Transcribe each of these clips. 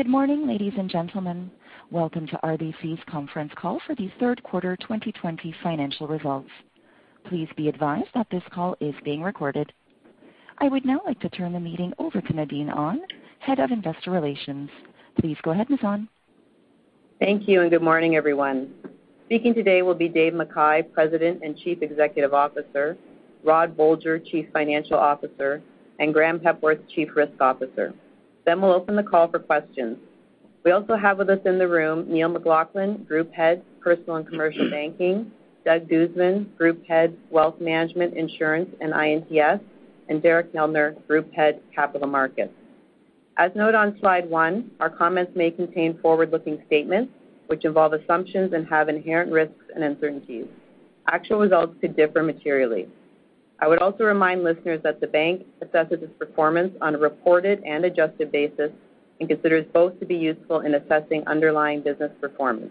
Good morning, ladies and gentlemen. Welcome to RBC's conference call for the third quarter 2020 financial results. Please be advised that this call is being recorded. I would now like to turn the meeting over to Nadine Ahn, Head of Investor Relations. Please go ahead, Ms. Ahn. Thank you, and good morning, everyone. Speaking today will be Dave McKay, President and Chief Executive Officer, Rod Bolger, Chief Financial Officer, and Graeme Hepworth, Chief Risk Officer. We'll open the call for questions. We also have with us in the room, Neil McLaughlin, Group Head, Personal and Commercial Banking, Doug Guzman, Group Head, Wealth Management, Insurance and I&TS, and Derek Neldner, Group Head, Capital Markets. Noted on slide one, our comments may contain forward-looking statements, which involve assumptions and have inherent risks and uncertainties. Actual results could differ materially. I would also remind listeners that the bank assesses its performance on a reported and adjusted basis and considers both to be useful in assessing underlying business performance.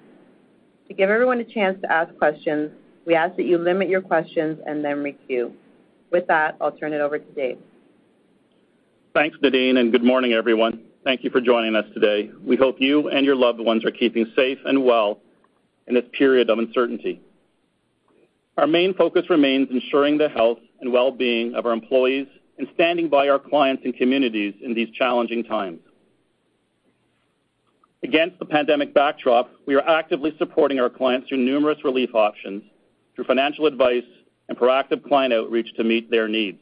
To give everyone a chance to ask questions, we ask that you limit your questions and then queue. With that, I'll turn it over to Dave. Thanks, Nadine. Good morning, everyone. Thank you for joining us today. We hope you and your loved ones are keeping safe and well in this period of uncertainty. Our main focus remains ensuring the health and wellbeing of our employees and standing by our clients and communities in these challenging times. Against the pandemic backdrop, we are actively supporting our clients through numerous relief options, through financial advice, and proactive client outreach to meet their needs.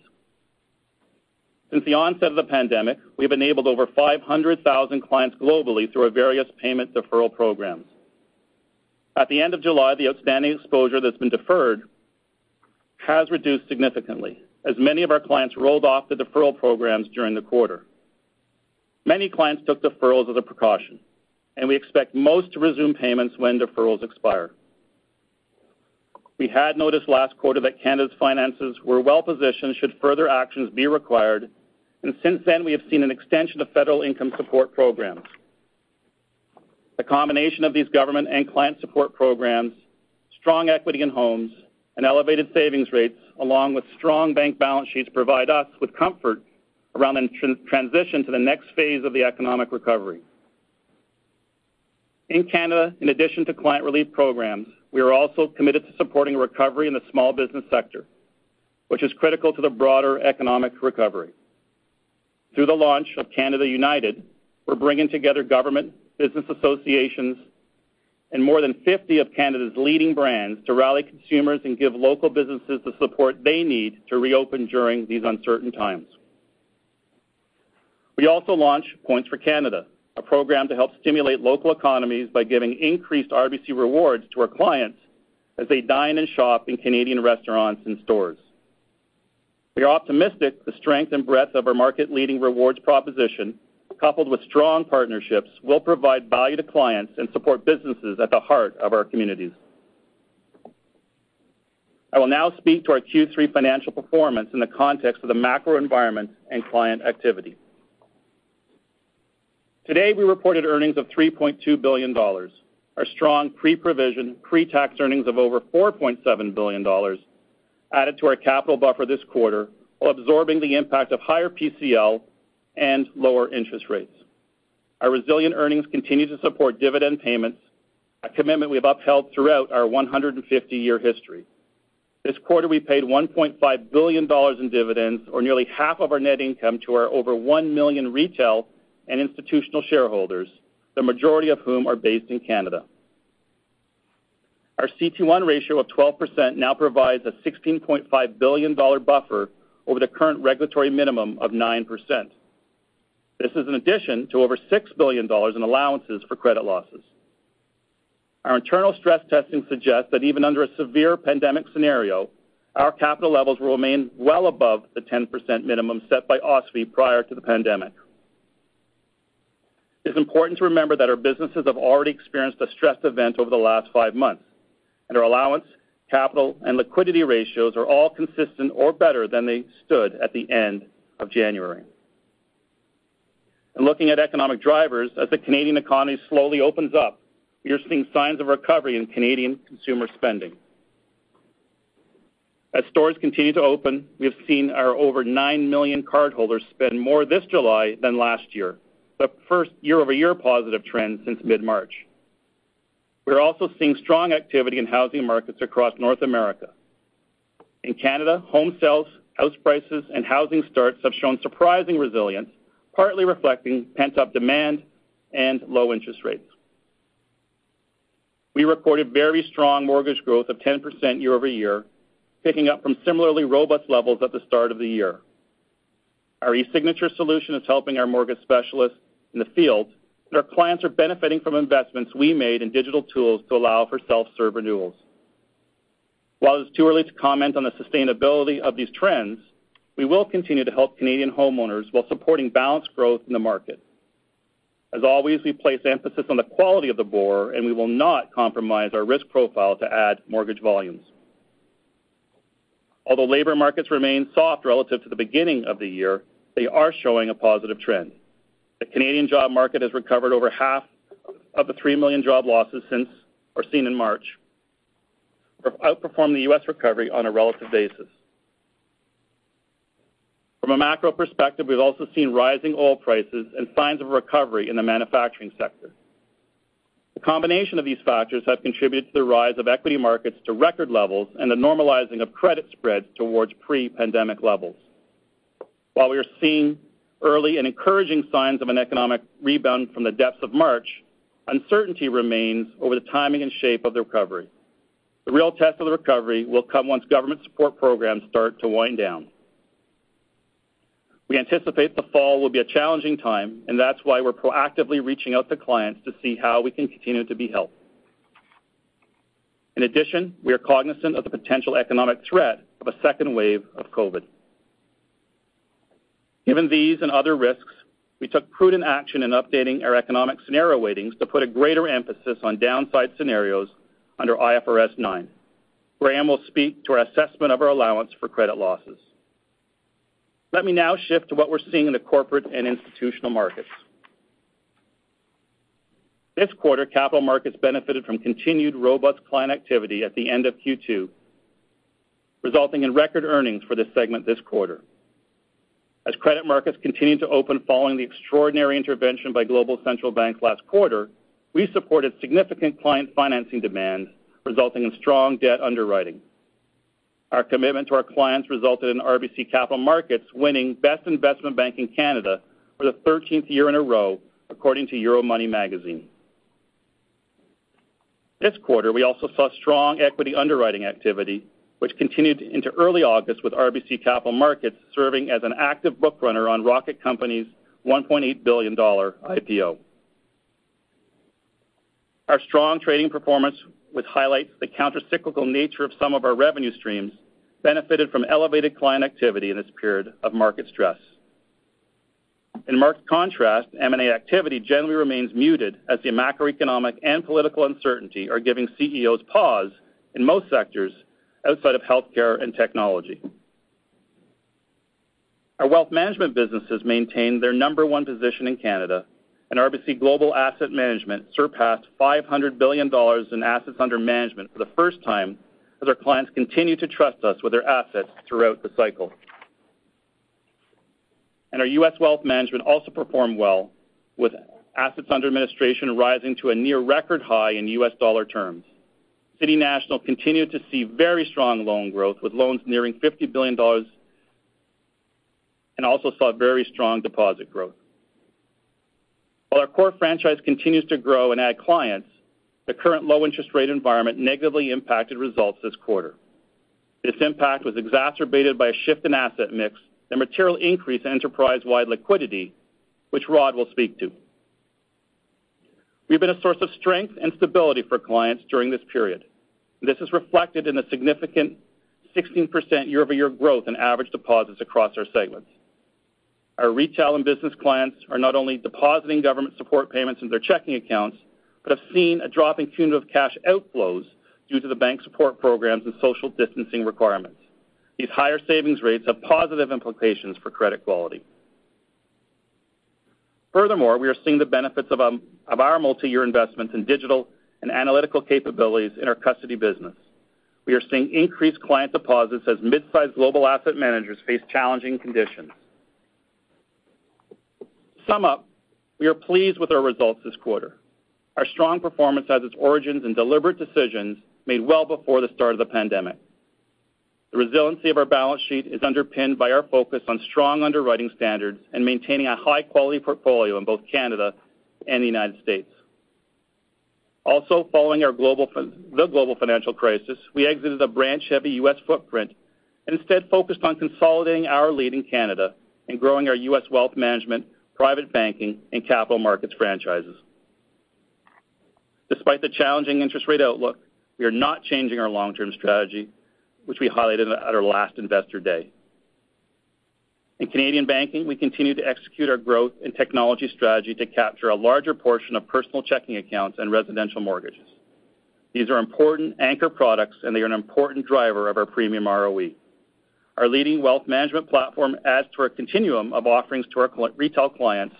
Since the onset of the pandemic, we've enabled over 500,000 clients globally through our various payment deferral programs. At the end of July, the outstanding exposure that's been deferred has reduced significantly as many of our clients rolled off the deferral programs during the quarter. Many clients took deferrals as a precaution, we expect most to resume payments when deferrals expire. We had noticed last quarter that Canada's finances were well-positioned should further actions be required, and since then, we have seen an extension of federal income support programs. The combination of these government and client support programs, strong equity in homes, and elevated savings rates, along with strong bank balance sheets, provide us with comfort around the transition to the next phase of the economic recovery. In Canada, in addition to client relief programs, we are also committed to supporting a recovery in the small business sector, which is critical to the broader economic recovery. Through the launch of Canada United, we're bringing together government, business associations, and more than 50 of Canada's leading brands to rally consumers and give local businesses the support they need to reopen during these uncertain times. We also launched Points for Canada, a program to help stimulate local economies by giving increased RBC Rewards to our clients as they dine and shop in Canadian restaurants and stores. We are optimistic the strength and breadth of our market-leading rewards proposition, coupled with strong partnerships, will provide value to clients and support businesses at the heart of our communities. I will now speak to our Q3 financial performance in the context of the macro environment and client activity. Today, we reported earnings of 3.2 billion dollars. Our strong pre-provision, pre-tax earnings of over 4.7 billion dollars added to our capital buffer this quarter while absorbing the impact of higher PCL and lower interest rates. Our resilient earnings continue to support dividend payments, a commitment we have upheld throughout our 150-year history. This quarter, we paid 1.5 billion dollars in dividends, or nearly half of our net income to our over 1 million retail and institutional shareholders, the majority of whom are based in Canada. Our CET1 ratio of 12% now provides a 16.5 billion dollar buffer over the current regulatory minimum of 9%. This is in addition to over 6 billion dollars in allowances for credit losses. Our internal stress testing suggests that even under a severe pandemic scenario, our capital levels will remain well above the 10% minimum set by OSFI prior to the pandemic. It's important to remember that our businesses have already experienced a stress event over the last five months, and our allowance, capital, and liquidity ratios are all consistent or better than they stood at the end of January. In looking at economic drivers, as the Canadian economy slowly opens up, we are seeing signs of recovery in Canadian consumer spending. As stores continue to open, we have seen our over 9 million cardholders spend more this July than last year, the first year-over-year positive trend since mid-March. We're also seeing strong activity in housing markets across North America. In Canada, home sales, house prices, and housing starts have shown surprising resilience, partly reflecting pent-up demand and low interest rates. We reported very strong mortgage growth of 10% year-over-year, picking up from similarly robust levels at the start of the year. Our e-signature solution is helping our mortgage specialists in the field, and our clients are benefiting from investments we made in digital tools to allow for self-serve renewals. While it's too early to comment on the sustainability of these trends, we will continue to help Canadian homeowners while supporting balanced growth in the market. As always, we place emphasis on the quality of the book, and we will not compromise our risk profile to add mortgage volumes. Although labor markets remain soft relative to the beginning of the year, they are showing a positive trend. The Canadian job market has recovered over half of the 3 million job losses were seen in March, outperformed the U.S. recovery on a relative basis. From a macro perspective, we've also seen rising oil prices and signs of recovery in the manufacturing sector. The combination of these factors have contributed to the rise of equity markets to record levels and the normalizing of credit spreads towards pre-pandemic levels. While we are seeing early and encouraging signs of an economic rebound from the depths of March, uncertainty remains over the timing and shape of the recovery. The real test of the recovery will come once government support programs start to wind down. We anticipate the fall will be a challenging time, and that's why we're proactively reaching out to clients to see how we can continue to be helpful. In addition, we are cognizant of the potential economic threat of a second wave of COVID. Given these and other risks, we took prudent action in updating our economic scenario weightings to put a greater emphasis on downside scenarios under IFRS 9. Graeme will speak to our assessment of our allowance for credit losses. Let me now shift to what we're seeing in the corporate and institutional markets. This quarter, capital markets benefited from continued robust client activity at the end of Q2, resulting in record earnings for this segment this quarter. As credit markets continued to open following the extraordinary intervention by global central banks last quarter, we supported significant client financing demand, resulting in strong debt underwriting. Our commitment to our clients resulted in RBC Capital Markets winning Best Investment Bank in Canada for the 13th year in a row, according to Euromoney Magazine. This quarter, we also saw strong equity underwriting activity, which continued into early August with RBC Capital Markets serving as an active book runner on Rocket Companies' $1.8 billion IPO. Our strong trading performance, which highlights the counter-cyclical nature of some of our revenue streams, benefited from elevated client activity in this period of market stress. In marked contrast, M&A activity generally remains muted as the macroeconomic and political uncertainty are giving CEOs pause in most sectors outside of healthcare and technology. Our wealth management businesses maintained their number one position in Canada, RBC Global Asset Management surpassed 500 billion dollars in assets under management for the first time, as our clients continue to trust us with their assets throughout the cycle. Our U.S. wealth management also performed well, with assets under administration rising to a near record high in U.S. dollar terms. City National continued to see very strong loan growth, with loans nearing 50 billion dollars, and also saw very strong deposit growth. While our core franchise continues to grow and add clients, the current low interest rate environment negatively impacted results this quarter. This impact was exacerbated by a shift in asset mix and material increase in enterprise-wide liquidity, which Rod will speak to. We've been a source of strength and stability for clients during this period, and this is reflected in the significant 16% year-over-year growth in average deposits across our segments. Our retail and business clients are not only depositing government support payments in their checking accounts, but have seen a drop in cumulative cash outflows due to the bank support programs and social distancing requirements. These higher savings rates have positive implications for credit quality. Furthermore, we are seeing the benefits of our multi-year investments in digital and analytical capabilities in our custody business. We are seeing increased client deposits as mid-sized global asset managers face challenging conditions. To sum up, we are pleased with our results this quarter. Our strong performance has its origins in deliberate decisions made well before the start of the pandemic. The resiliency of our balance sheet is underpinned by our focus on strong underwriting standards and maintaining a high-quality portfolio in both Canada and the United States. Also, following the global financial crisis, we exited a branch-heavy U.S. footprint and instead focused on consolidating our lead in Canada and growing our U.S. Wealth Management, Private Banking, and Capital Markets franchises. Despite the challenging interest rate outlook, we are not changing our long-term strategy, which we highlighted at our last Investor Day. In Canadian Banking, we continue to execute our growth and technology strategy to capture a larger portion of personal checking accounts and residential mortgages. These are important anchor products, and they are an important driver of our premium ROE. Our leading wealth management platform adds to our continuum of offerings to our retail clients,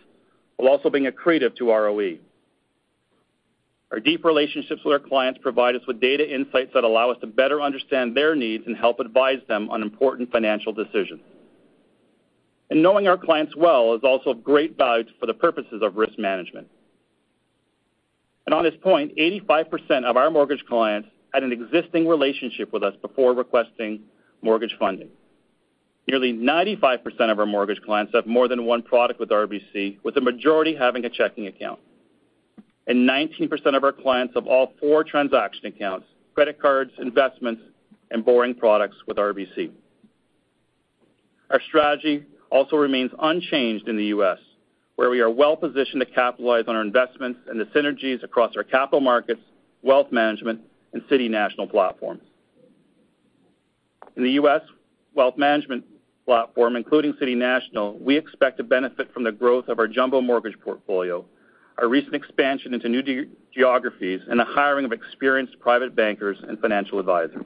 while also being accretive to ROE. Our deep relationships with our clients provide us with data insights that allow us to better understand their needs and help advise them on important financial decisions. Knowing our clients well is also of great value for the purposes of risk management. On this point, 85% of our mortgage clients had an existing relationship with us before requesting mortgage funding. Nearly 95% of our mortgage clients have more than one product with RBC, with the majority having a checking account. 19% of our clients have all four transaction accounts, credit cards, investments, and borrowing products with RBC. Our strategy also remains unchanged in the U.S., where we are well-positioned to capitalize on our investments and the synergies across our capital markets, wealth management, and City National platforms. In the U.S. wealth management platform, including City National, we expect to benefit from the growth of our jumbo mortgage portfolio, our recent expansion into new geographies, and the hiring of experienced private bankers and financial advisors.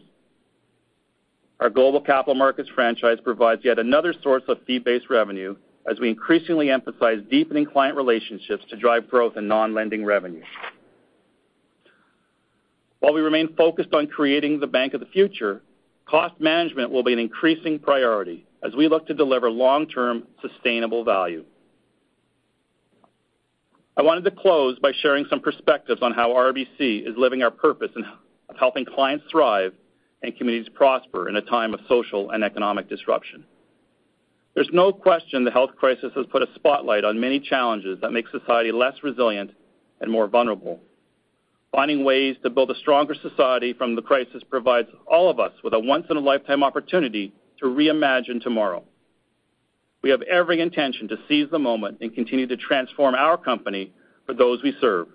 Our global capital markets franchise provides yet another source of fee-based revenue as we increasingly emphasize deepening client relationships to drive growth in non-lending revenues. While we remain focused on creating the bank of the future, cost management will be an increasing priority as we look to deliver long-term sustainable value. I wanted to close by sharing some perspectives on how RBC is living our purpose and helping clients thrive and communities prosper in a time of social and economic disruption. There's no question the health crisis has put a spotlight on many challenges that make society less resilient and more vulnerable. Finding ways to build a stronger society from the crisis provides all of us with a once-in-a-lifetime opportunity to reimagine tomorrow. We have every intention to seize the moment and continue to transform our company for those we serve,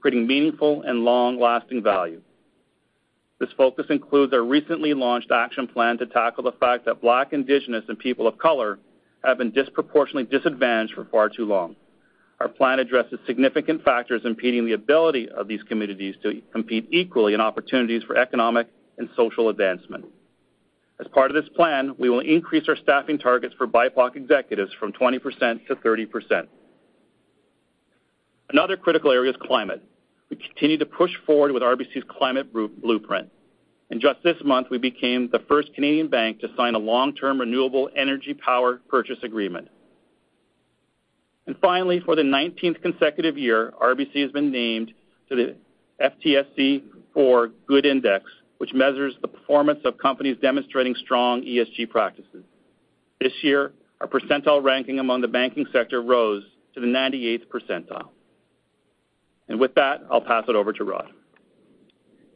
creating meaningful and long-lasting value. This focus includes our recently launched action plan to tackle the fact that Black, Indigenous, and people of color have been disproportionately disadvantaged for far too long. Our plan addresses significant factors impeding the ability of these communities to compete equally in opportunities for economic and social advancement. As part of this plan, we will increase our staffing targets for BIPOC executives from 20% to 30%. Another critical area is climate. We continue to push forward with RBC Climate Blueprint. Just this month, we became the first Canadian bank to sign a long-term renewable energy power purchase agreement. Finally, for the 19th consecutive year, RBC has been named to the FTSE4Good Index, which measures the performance of companies demonstrating strong ESG practices. This year, our percentile ranking among the banking sector rose to the 98th percentile. With that, I'll pass it over to Rod.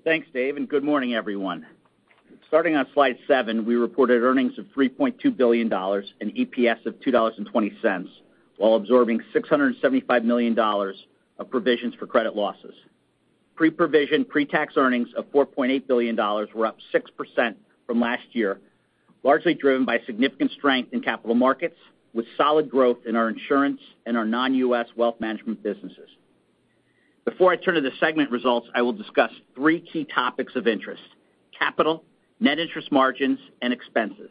Thanks, Dave. Good morning, everyone. Starting on slide seven, we reported earnings of 3.2 billion dollars and EPS of 2.20 dollars while absorbing 675 million dollars of provisions for credit losses. Pre-provision, pre-tax earnings of 4.8 billion dollars were up 6% from last year, largely driven by significant strength in Capital Markets, with solid growth in our insurance and our non-U.S. wealth management businesses. Before I turn to the segment results, I will discuss three key topics of interest: capital, net interest margins, and expenses.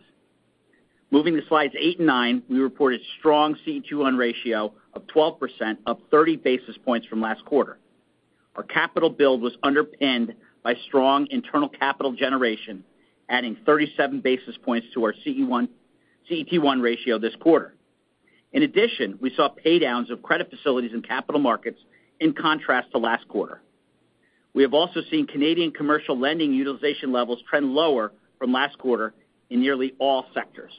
Moving to slides eight and nine, we reported strong CET1 ratio of 12%, up 30 basis points from last quarter. Our capital build was underpinned by strong internal capital generation, adding 37 basis points to our CET1 ratio this quarter. In addition, we saw paydowns of credit facilities and Capital Markets in contrast to last quarter. We have also seen Canadian commercial lending utilization levels trend lower from last quarter in nearly all sectors.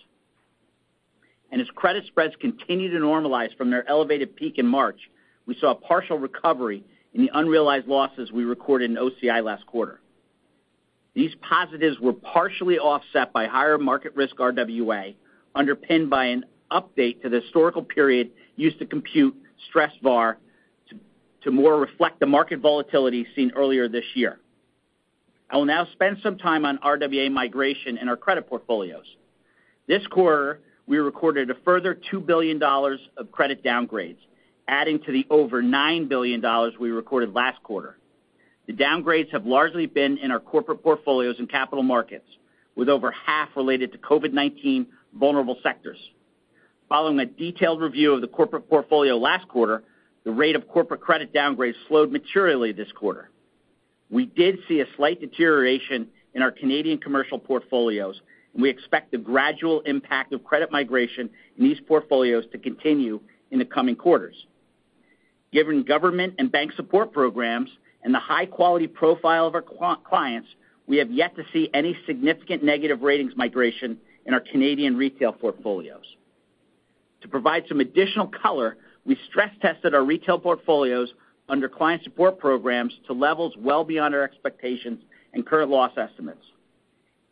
As credit spreads continue to normalize from their elevated peak in March, we saw a partial recovery in the unrealized losses we recorded in OCI last quarter. These positives were partially offset by higher market risk RWA, underpinned by an update to the historical period used to compute stress VaR to more reflect the market volatility seen earlier this year. I will now spend some time on RWA migration in our credit portfolios. This quarter, we recorded a further 2 billion dollars of credit downgrades, adding to the over 9 billion dollars we recorded last quarter. The downgrades have largely been in our corporate portfolios and Capital Markets, with over half related to COVID-19 vulnerable sectors. Following a detailed review of the corporate portfolio last quarter, the rate of corporate credit downgrades slowed materially this quarter. We did see a slight deterioration in our Canadian commercial portfolios, and we expect the gradual impact of credit migration in these portfolios to continue in the coming quarters. Given government and bank support programs and the high quality profile of our clients, we have yet to see any significant negative ratings migration in our Canadian retail portfolios. To provide some additional color, we stress tested our retail portfolios under client support programs to levels well beyond our expectations and current loss estimates.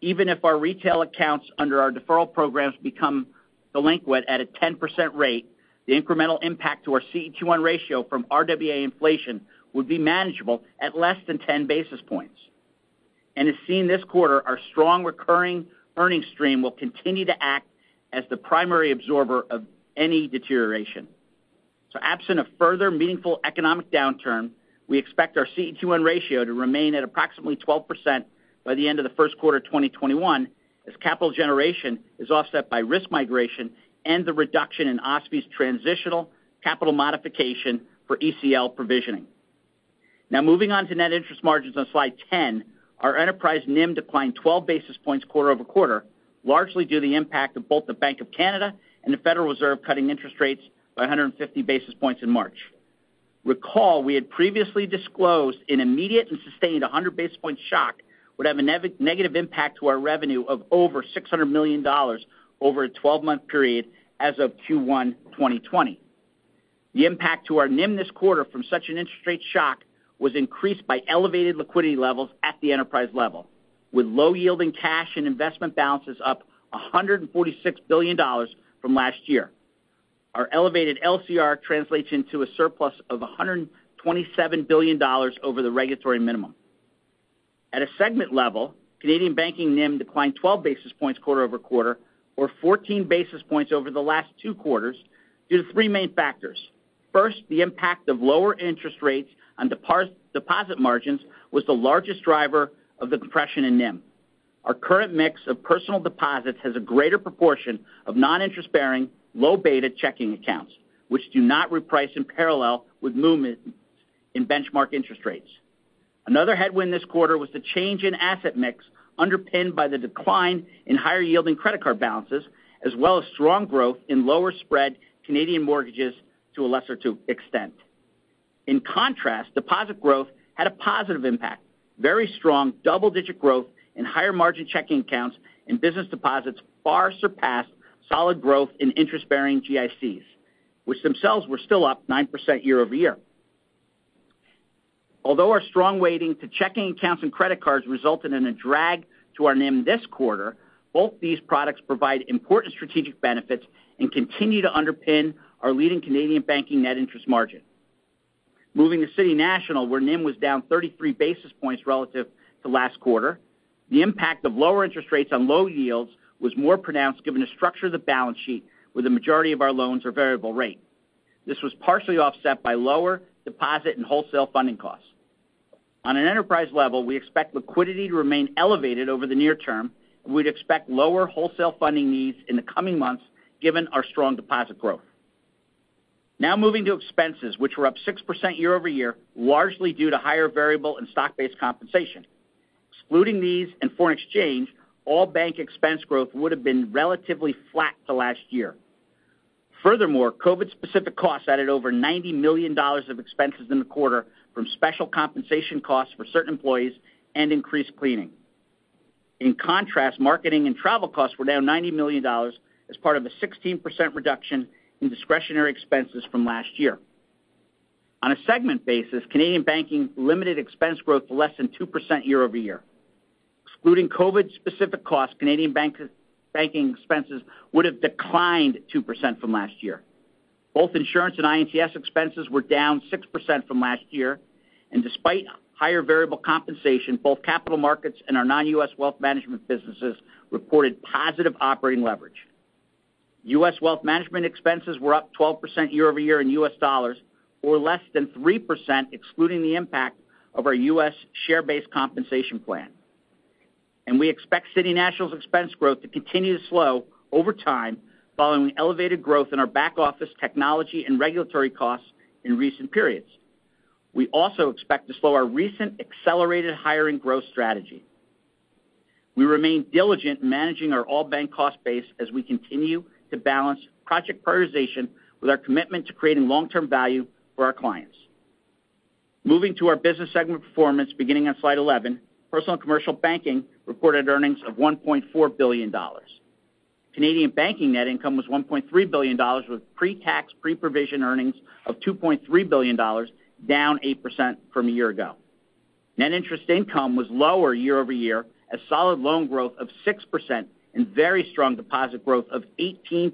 Even if our retail accounts under our deferral programs become delinquent at a 10% rate, the incremental impact to our CET1 ratio from RWA inflation would be manageable at less than 10 basis points. As seen this quarter, our strong recurring earnings stream will continue to act as the primary absorber of any deterioration. Absent a further meaningful economic downturn, we expect our CET1 ratio to remain at approximately 12% by the end of the first quarter of 2021, as capital generation is offset by risk migration and the reduction in OSFI's transitional capital modification for ECL provisioning. Moving on to net interest margins on slide 10, our enterprise NIM declined 12 basis points quarter-over-quarter, largely due to the impact of both the Bank of Canada and the Federal Reserve cutting interest rates by 150 basis points in March. Recall, we had previously disclosed an immediate and sustained 100 basis point shock would have a negative impact to our revenue of over 600 million dollars over a 12-month period as of Q1 2020. The impact to our NIM this quarter from such an interest rate shock was increased by elevated liquidity levels at the enterprise level, with low yielding cash and investment balances up 146 billion dollars from last year. Our elevated LCR translates into a surplus of 127 billion dollars over the regulatory minimum. At a segment level, Canadian banking NIM declined 12 basis points quarter-over-quarter, or 14 basis points over the last two quarters due to three main factors. First, the impact of lower interest rates on deposit margins was the largest driver of the compression in NIM. Our current mix of personal deposits has a greater proportion of non-interest bearing, low beta checking accounts, which do not reprice in parallel with movements in benchmark interest rates. Another headwind this quarter was the change in asset mix underpinned by the decline in higher yielding credit card balances, as well as strong growth in lower spread Canadian mortgages to a lesser extent. In contrast, deposit growth had a positive impact. Very strong, double-digit growth in higher margin checking accounts and business deposits far surpassed solid growth in interest-bearing GICs, which themselves were still up 9% year-over-year. Although our strong weighting to checking accounts and credit cards resulted in a drag to our NIM this quarter, both these products provide important strategic benefits and continue to underpin our leading Canadian banking net interest margin. Moving to City National, where NIM was down 33 basis points relative to last quarter. The impact of lower interest rates on low yields was more pronounced given the structure of the balance sheet where the majority of our loans are variable rate. This was partially offset by lower deposit and wholesale funding costs. On an enterprise level, we expect liquidity to remain elevated over the near term, and we'd expect lower wholesale funding needs in the coming months given our strong deposit growth. Moving to expenses, which were up 6% year-over-year, largely due to higher variable and stock-based compensation. Excluding these and foreign exchange, all bank expense growth would have been relatively flat to last year. COVID-specific costs added over 90 million dollars of expenses in the quarter from special compensation costs for certain employees and increased cleaning. Marketing and travel costs were down 90 million dollars as part of a 16% reduction in discretionary expenses from last year. On a segment basis, Canadian banking limited expense growth to less than 2% year-over-year. Excluding COVID-specific costs, Canadian banking expenses would have declined 2% from last year. Both insurance and I&TS expenses were down 6% from last year, and despite higher variable compensation, both Capital Markets and our non-U.S. wealth management businesses reported positive operating leverage. U.S. wealth management expenses were up 12% year-over-year in U.S. dollars, or less than 3% excluding the impact of our U.S. share-based compensation plan. We expect City National's expense growth to continue to slow over time following elevated growth in our back office technology and regulatory costs in recent periods. We also expect to slow our recent accelerated hiring growth strategy. We remain diligent in managing our all-bank cost base as we continue to balance project prioritization with our commitment to creating long-term value for our clients. Moving to our business segment performance beginning on slide 11, Personal and Commercial Banking reported earnings of 1.4 billion Canadian dollars. Canadian banking net income was 1.3 billion dollars, with pre-tax, pre-provision earnings of 2.3 billion dollars, down 8% from a year ago. Net interest income was lower year-over-year as solid loan growth of 6% and very strong deposit growth of 18%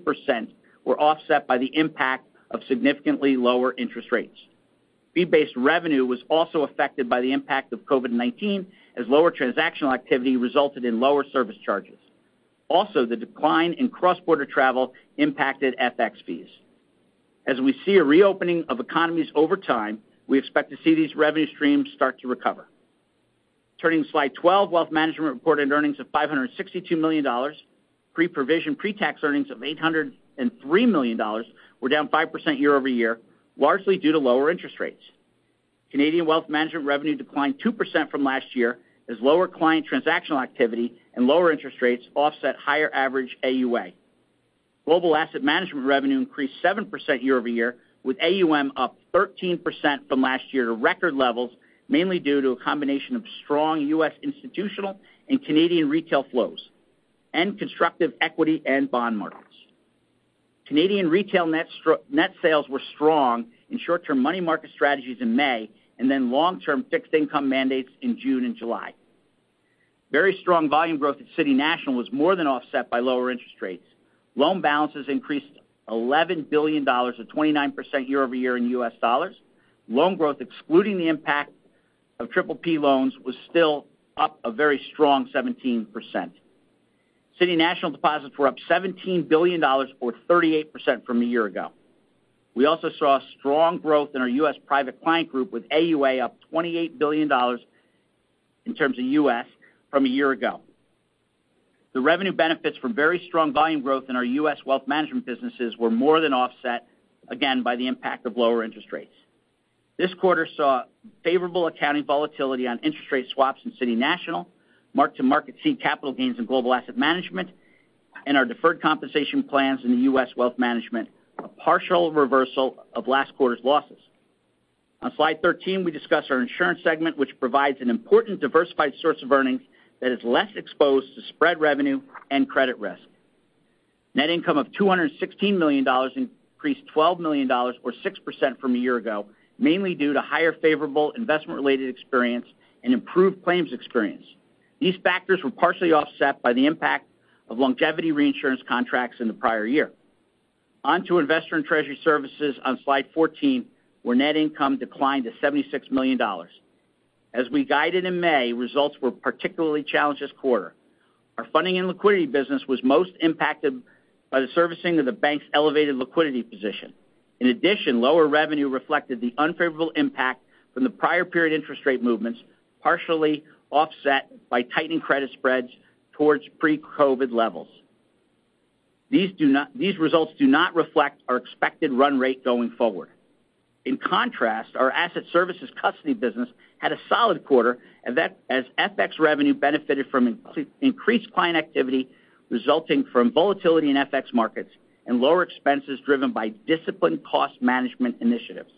were offset by the impact of significantly lower interest rates. Fee-based revenue was also affected by the impact of COVID-19, as lower transactional activity resulted in lower service charges. Also, the decline in cross-border travel impacted FX fees. As we see a reopening of economies over time, we expect to see these revenue streams start to recover. Turning to slide 12, wealth management reported earnings of 562 million dollars. Pre-provision, pre-tax earnings of 803 million dollars were down 5% year-over-year, largely due to lower interest rates. Canadian wealth management revenue declined 2% from last year, as lower client transactional activity and lower interest rates offset higher average AUA. Global Asset Management revenue increased 7% year-over-year, with AUM up 13% from last year to record levels, mainly due to a combination of strong U.S. institutional and Canadian retail flows, and constructive equity and bond markets. Canadian retail net sales were strong in short-term money market strategies in May, and then long-term fixed income mandates in June and July. Very strong volume growth at City National was more than offset by lower interest rates. Loan balances increased $11 billion, or 29% year-over-year in U.S. dollars. Loan growth, excluding the impact of PPP loans, was still up a very strong 17%. City National deposits were up 17 billion dollars, or 38% from a year ago. We also saw strong growth in our U.S. Private Client Group, with AUA up $28 billion in terms of U.S. from a year ago. The revenue benefits from very strong volume growth in our U.S. wealth management businesses were more than offset, again, by the impact of lower interest rates. This quarter saw favorable accounting volatility on interest rate swaps in City National, mark-to-market seed capital gains in Global Asset Management, and our deferred compensation plans in the U.S. wealth management, a partial reversal of last quarter's losses. On slide 13, we discuss our insurance segment, which provides an important diversified source of earnings that is less exposed to spread revenue and credit risk. Net income of 216 million dollars increased 12 million dollars, or 6% from a year ago, mainly due to higher favorable investment-related experience and improved claims experience. These factors were partially offset by the impact of longevity reinsurance contracts in the prior year. On to Investor and Treasury Services on slide 14, where net income declined to 76 million dollars. As we guided in May, results were particularly challenged this quarter. Our funding and liquidity business was most impacted by the servicing of the bank's elevated liquidity position. In addition, lower revenue reflected the unfavorable impact from the prior period interest rate movements, partially offset by tightening credit spreads towards pre-COVID levels. These results do not reflect our expected run rate going forward. In contrast, our asset services custody business had a solid quarter as FX revenue benefited from increased client activity resulting from volatility in FX markets and lower expenses driven by disciplined cost management initiatives.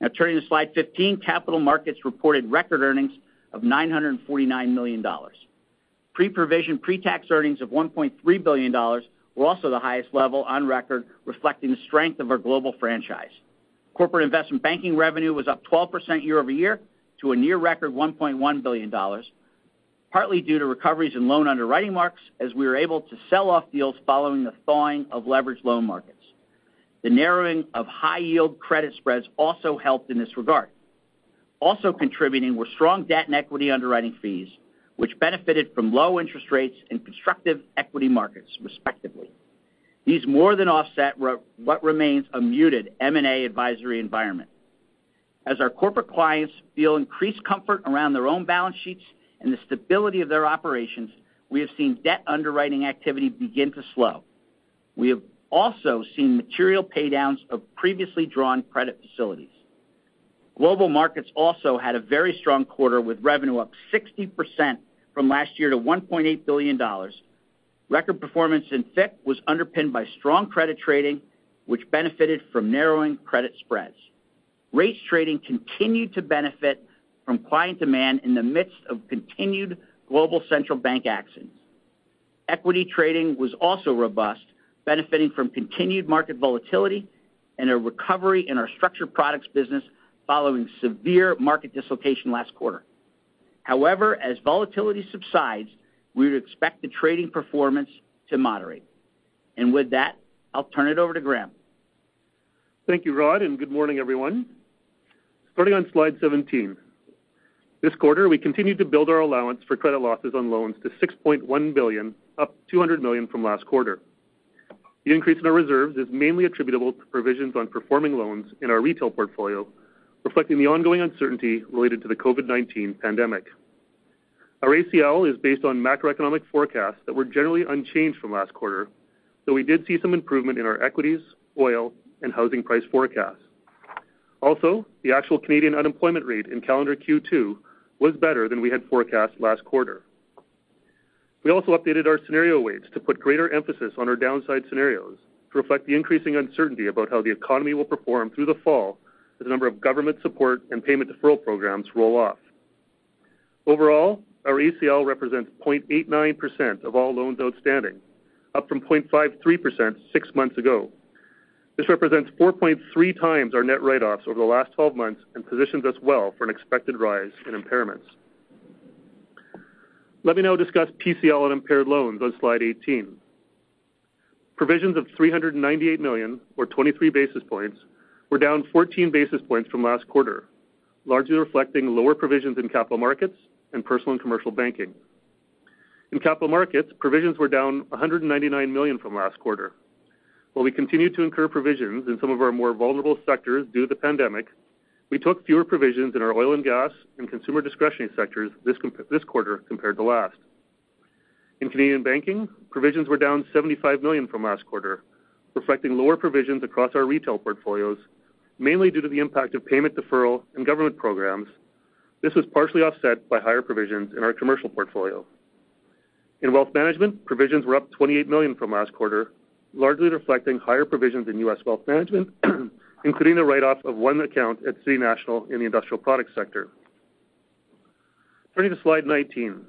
Now turning to slide 15, Capital Markets reported record earnings of 949 million dollars. Pre-provision, pre-tax earnings of 1.3 billion dollars were also the highest level on record, reflecting the strength of our global franchise. Corporate investment banking revenue was up 12% year-over-year to a near record 1.1 billion dollars, partly due to recoveries in loan underwriting marks as we were able to sell off deals following the thawing of leverage loan markets. The narrowing of high-yield credit spreads also helped in this regard. Also contributing were strong debt and equity underwriting fees, which benefited from low interest rates and constructive equity markets, respectively. These more than offset what remains a muted M&A advisory environment. As our corporate clients feel increased comfort around their own balance sheets and the stability of their operations, we have seen debt underwriting activity begin to slow. We have also seen material paydowns of previously drawn credit facilities. Global markets also had a very strong quarter, with revenue up 60% from last year to 1.8 billion dollars. Record performance in FICC was underpinned by strong credit trading, which benefited from narrowing credit spreads. Rates trading continued to benefit from client demand in the midst of continued global central bank actions. Equity trading was also robust, benefiting from continued market volatility and a recovery in our structured products business following severe market dislocation last quarter. However, as volatility subsides, we would expect the trading performance to moderate. With that, I'll turn it over to Graeme. Thank you, Rod. Good morning, everyone. Starting on slide 17. This quarter, we continued to build our allowance for credit losses on loans to 6.1 billion, up 200 million from last quarter. The increase in our reserves is mainly attributable to provisions on performing loans in our retail portfolio, reflecting the ongoing uncertainty related to the COVID-19 pandemic. Our ACL is based on macroeconomic forecasts that were generally unchanged from last quarter, though we did see some improvement in our equities, oil, and housing price forecasts. The actual Canadian unemployment rate in calendar Q2 was better than we had forecast last quarter. We also updated our scenario weights to put greater emphasis on our downside scenarios to reflect the increasing uncertainty about how the economy will perform through the fall as a number of government support and payment deferral programs roll off. Overall, our ACL represents 0.89% of all loans outstanding, up from 0.53% six months ago. This represents 4.3x our net write-offs over the last 12 months and positions us well for an expected rise in impairments. Let me now discuss PCL and impaired loans on slide 18. Provisions of 398 million, or 23 basis points, were down 14 basis points from last quarter, largely reflecting lower provisions in capital markets and personal and commercial banking. In capital markets, provisions were down CAD 199 million from last quarter. While we continued to incur provisions in some of our more vulnerable sectors due to the pandemic, we took fewer provisions in our oil and gas and consumer discretionary sectors this quarter compared to last. In Canadian Banking, provisions were down 75 million from last quarter, reflecting lower provisions across our retail portfolios, mainly due to the impact of payment deferral and government programs. This was partially offset by higher provisions in our commercial portfolio. In Wealth Management, provisions were up 28 million from last quarter, largely reflecting higher provisions in U.S. Wealth Management, including the write-off of one account at City National in the industrial products sector. Turning to slide 19.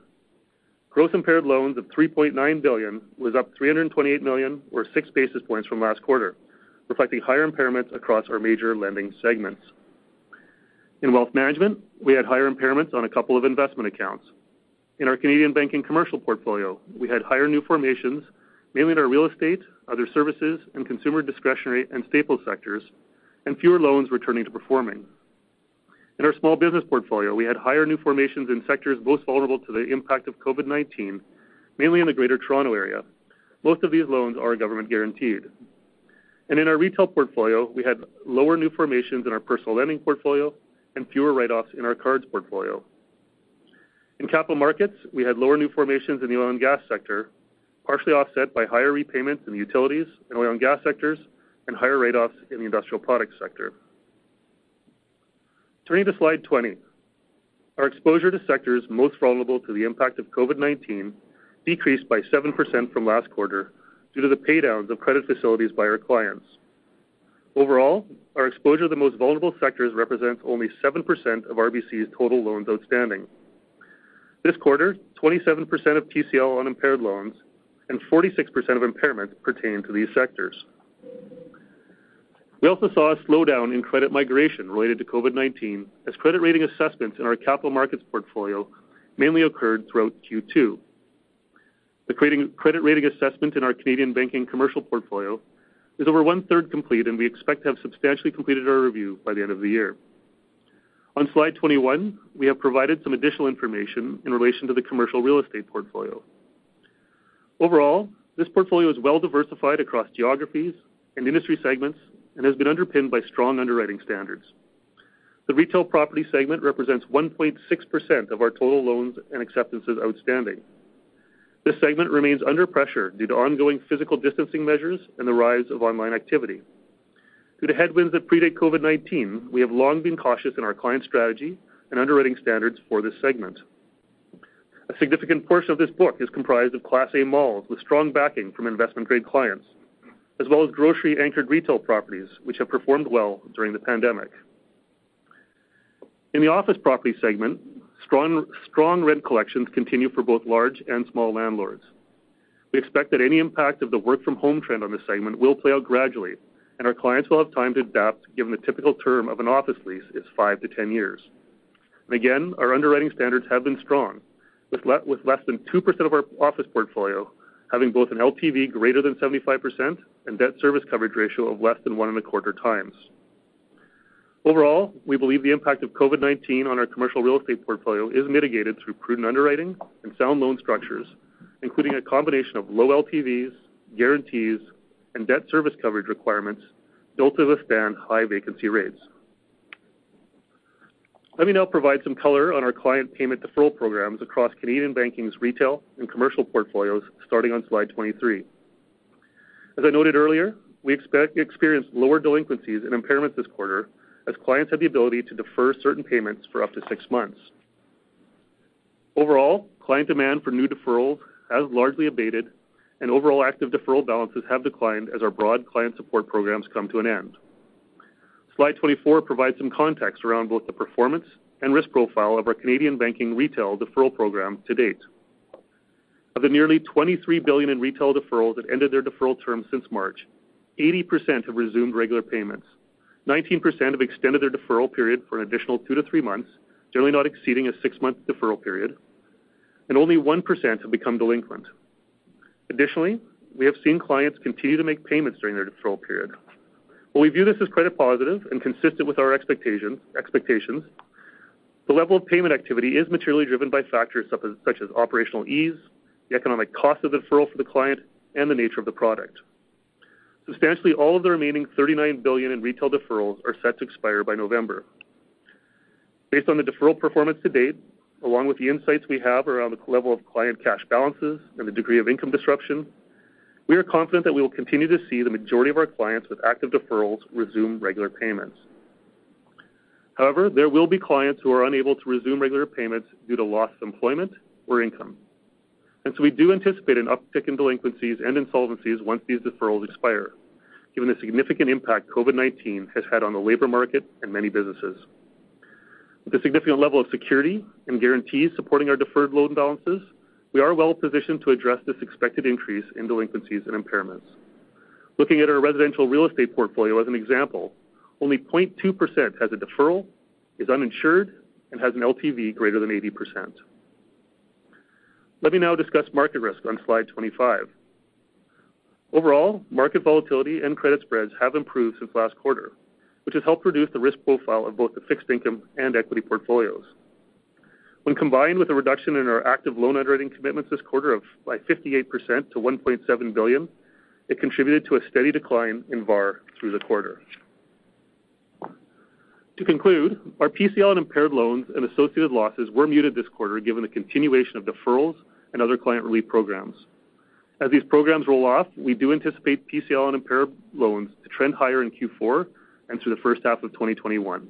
Gross impaired loans of 3.9 billion was up 328 million, or 6 basis points from last quarter, reflecting higher impairments across our major lending segments. In Wealth Management, we had higher impairments on a couple of investment accounts. In our Canadian Banking commercial portfolio, we had higher new formations, mainly in our real estate, other services, and consumer discretionary and staple sectors, and fewer loans returning to performing. In our small business portfolio, we had higher new formations in sectors most vulnerable to the impact of COVID-19, mainly in the Greater Toronto Area. Most of these loans are government guaranteed. In our retail portfolio, we had lower new formations in our personal lending portfolio and fewer write-offs in our cards portfolio. In Capital Markets, we had lower new formations in the oil and gas sector, partially offset by higher repayments in the utilities and oil and gas sectors and higher write-offs in the industrial products sector. Turning to slide 20. Our exposure to sectors most vulnerable to the impact of COVID-19 decreased by 7% from last quarter due to the paydowns of credit facilities by our clients. Overall, our exposure to the most vulnerable sectors represents only 7% of RBC's total loans outstanding. This quarter, 27% of PCL on impaired loans and 46% of impairments pertain to these sectors. We also saw a slowdown in credit migration related to COVID-19 as credit rating assessments in our capital markets portfolio mainly occurred throughout Q2. The credit rating assessment in our Canadian banking commercial portfolio is over one-third complete, and we expect to have substantially completed our review by the end of the year. On slide 21, we have provided some additional information in relation to the commercial real estate portfolio. Overall, this portfolio is well diversified across geographies and industry segments and has been underpinned by strong underwriting standards. The retail property segment represents 1.6% of our total loans and acceptances outstanding. This segment remains under pressure due to ongoing physical distancing measures and the rise of online activity. Due to headwinds that predate COVID-19, we have long been cautious in our client strategy and underwriting standards for this segment. A significant portion of this book is comprised of Class A malls with strong backing from investment-grade clients, as well as grocery-anchored retail properties, which have performed well during the pandemic. In the office property segment, strong rent collections continue for both large and small landlords. We expect that any impact of the work-from-home trend on this segment will play out gradually, and our clients will have time to adapt given the typical term of an office lease is 5-10 years. Again, our underwriting standards have been strong, with less than 2% of our office portfolio having both an LTV greater than 75% and debt service coverage ratio of less than 1.25x. Overall, we believe the impact of COVID-19 on our commercial real estate portfolio is mitigated through prudent underwriting and sound loan structures, including a combination of low LTVs, guarantees, and debt service coverage requirements built to withstand high vacancy rates. Let me now provide some color on our client payment deferral programs across Canadian Banking's retail and commercial portfolios starting on slide 23. As I noted earlier, we expect to experience lower delinquencies and impairments this quarter as clients have the ability to defer certain payments for up to six months. Overall, client demand for new deferrals has largely abated, and overall active deferral balances have declined as our broad client support programs come to an end. Slide 24 provides some context around both the performance and risk profile of our Canadian Banking retail deferral program to date. Of the nearly 23 billion in retail deferrals that ended their deferral term since March, 80% have resumed regular payments, 19% have extended their deferral period for an additional two to three months, generally not exceeding a six-month deferral period, and only 1% have become delinquent. Additionally, we have seen clients continue to make payments during their deferral period. While we view this as credit positive and consistent with our expectations, the level of payment activity is materially driven by factors such as operational ease, the economic cost of deferral for the client, and the nature of the product. Substantially all of the remaining 39 billion in retail deferrals are set to expire by November. Based on the deferral performance to date, along with the insights we have around the level of client cash balances and the degree of income disruption, we are confident that we will continue to see the majority of our clients with active deferrals resume regular payments. However, there will be clients who are unable to resume regular payments due to loss of employment or income. We do anticipate an uptick in delinquencies and insolvencies once these deferrals expire, given the significant impact COVID-19 has had on the labor market and many businesses. With a significant level of security and guarantees supporting our deferred loan balances, we are well-positioned to address this expected increase in delinquencies and impairments. Looking at our residential real estate portfolio as an example, only 0.2% has a deferral, is uninsured, and has an LTV greater than 80%. Let me now discuss market risk on slide 25. Overall, market volatility and credit spreads have improved since last quarter, which has helped reduce the risk profile of both the fixed income and equity portfolios. When combined with a reduction in our active loan underwriting commitments this quarter of by 58% to 1.7 billion, it contributed to a steady decline in VaR through the quarter. To conclude, our PCL and impaired loans and associated losses were muted this quarter given the continuation of deferrals and other client relief programs. As these programs roll off, we do anticipate PCL and impaired loans to trend higher in Q4 and through the first half of 2021.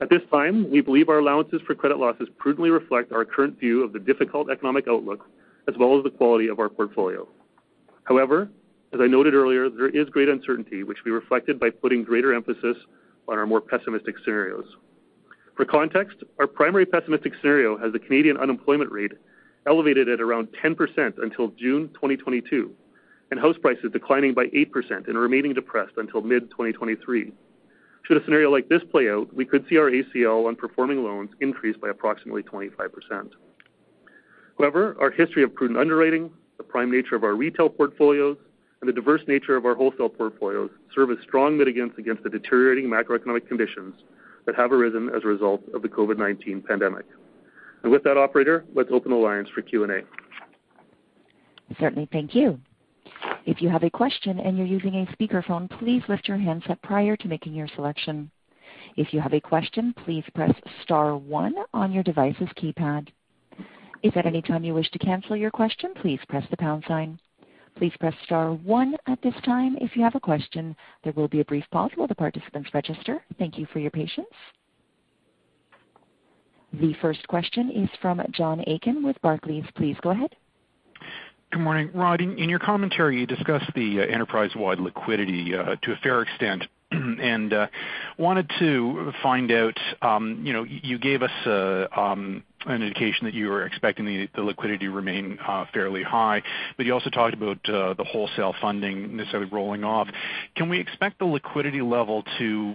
At this time, we believe our allowances for credit losses prudently reflect our current view of the difficult economic outlook, as well as the quality of our portfolio. However, as I noted earlier, there is great uncertainty, which we reflected by putting greater emphasis on our more pessimistic scenarios. For context, our primary pessimistic scenario has the Canadian unemployment rate elevated at around 10% until June 2022 and house prices declining by 8% and remaining depressed until mid-2023. Should a scenario like this play out, we could see our ACL on performing loans increase by approximately 25%. However, our history of prudent underwriting, the prime nature of our retail portfolios, and the diverse nature of our wholesale portfolios serve as strong mitigants against the deteriorating macroeconomic conditions that have arisen as a result of the COVID-19 pandemic. With that, operator, let's open the lines for Q&A. The first question is from John Aiken with Barclays. Please go ahead. Good morning. Rod, in your commentary, you discussed the enterprise-wide liquidity to a fair extent, wanted to find out, you gave us an indication that you were expecting the liquidity to remain fairly high, but you also talked about the wholesale funding necessarily rolling off. Can we expect the liquidity level to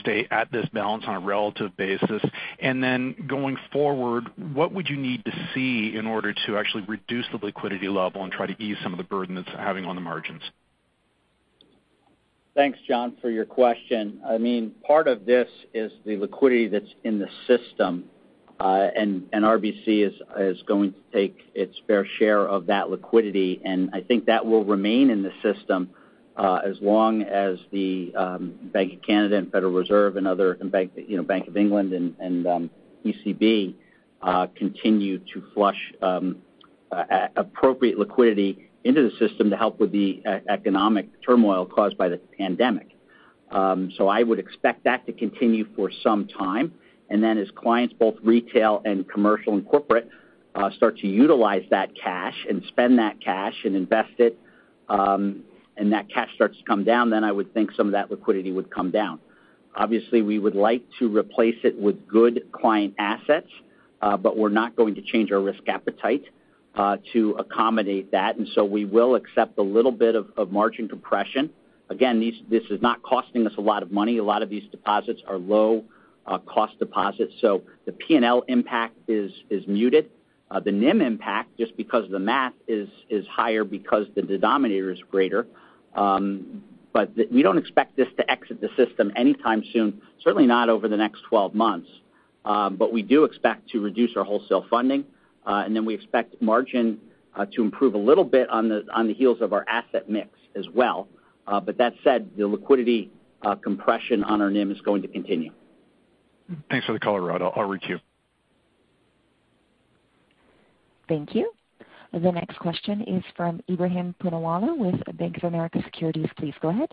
stay at this balance on a relative basis? Going forward, what would you need to see in order to actually reduce the liquidity level and try to ease some of the burden it's having on the margins? Thanks, John, for your question. Part of this is the liquidity that's in the system. RBC is going to take its fair share of that liquidity. I think that will remain in the system, as long as the Bank of Canada and Federal Reserve and Bank of England and ECB continue to flush appropriate liquidity into the system to help with the economic turmoil caused by the pandemic. I would expect that to continue for some time. As clients, both retail and commercial and corporate, start to utilize that cash and spend that cash and invest it, and that cash starts to come down, I would think some of that liquidity would come down. Obviously, we would like to replace it with good client assets. We're not going to change our risk appetite to accommodate that. We will accept a little bit of margin compression. Again, this is not costing us a lot of money. A lot of these deposits are low-cost deposits. The P&L impact is muted. The NIM impact, just because of the math, is higher because the denominator is greater. We don't expect this to exit the system anytime soon, certainly not over the next 12 months. We do expect to reduce our wholesale funding, and then we expect margin to improve a little bit on the heels of our asset mix as well. That said, the liquidity compression on our NIM is going to continue. Thanks for the color, Rod. I'll requeue. Thank you. The next question is from Ebrahim Poonawala with Bank of America Securities. Please go ahead.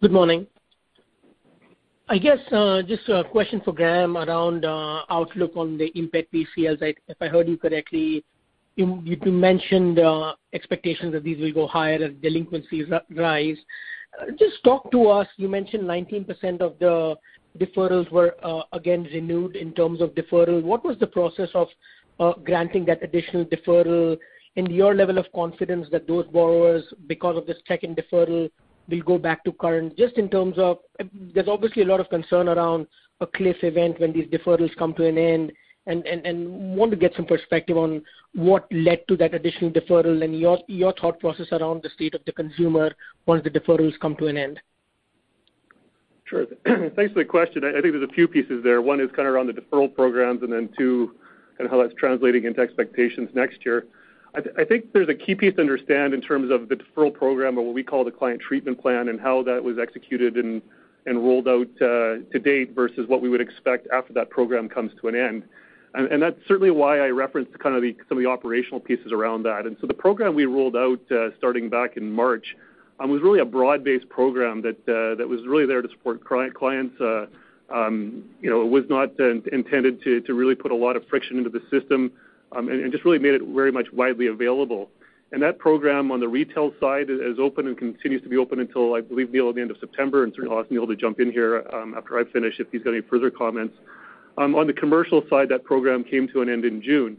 Good morning. I guess just a question for Graeme around outlook on the impact we see. If I heard you correctly, you mentioned expectations that these will go higher as delinquencies rise. Just talk to us, you mentioned 19% of the deferrals were again renewed in terms of deferral. What was the process of granting that additional deferral, and your level of confidence that those borrowers because of this second deferral will go back to current? There's obviously a lot of concern around a cliff event when these deferrals come to an end, want to get some perspective on what led to that additional deferral and your thought process around the state of the consumer once the deferrals come to an end. Sure. Thanks for the question. I think there's a few pieces there. One is kind of around the deferral programs. Two, kind of how that's translating into expectations next year. I think there's a key piece to understand in terms of the deferral program or what we call the client treatment plan and how that was executed and rolled out to date versus what we would expect after that program comes to an end. That's certainly why I referenced kind of some of the operational pieces around that. The program we rolled out starting back in March was really a broad-based program that was really there to support clients. It was not intended to really put a lot of friction into the system, and just really made it very much widely available. That program on the retail side is open and continues to be open until, I believe, Neil, at the end of September. Certainly, I'll ask Neil to jump in here after I've finished if he's got any further comments. On the commercial side, that program came to an end in June.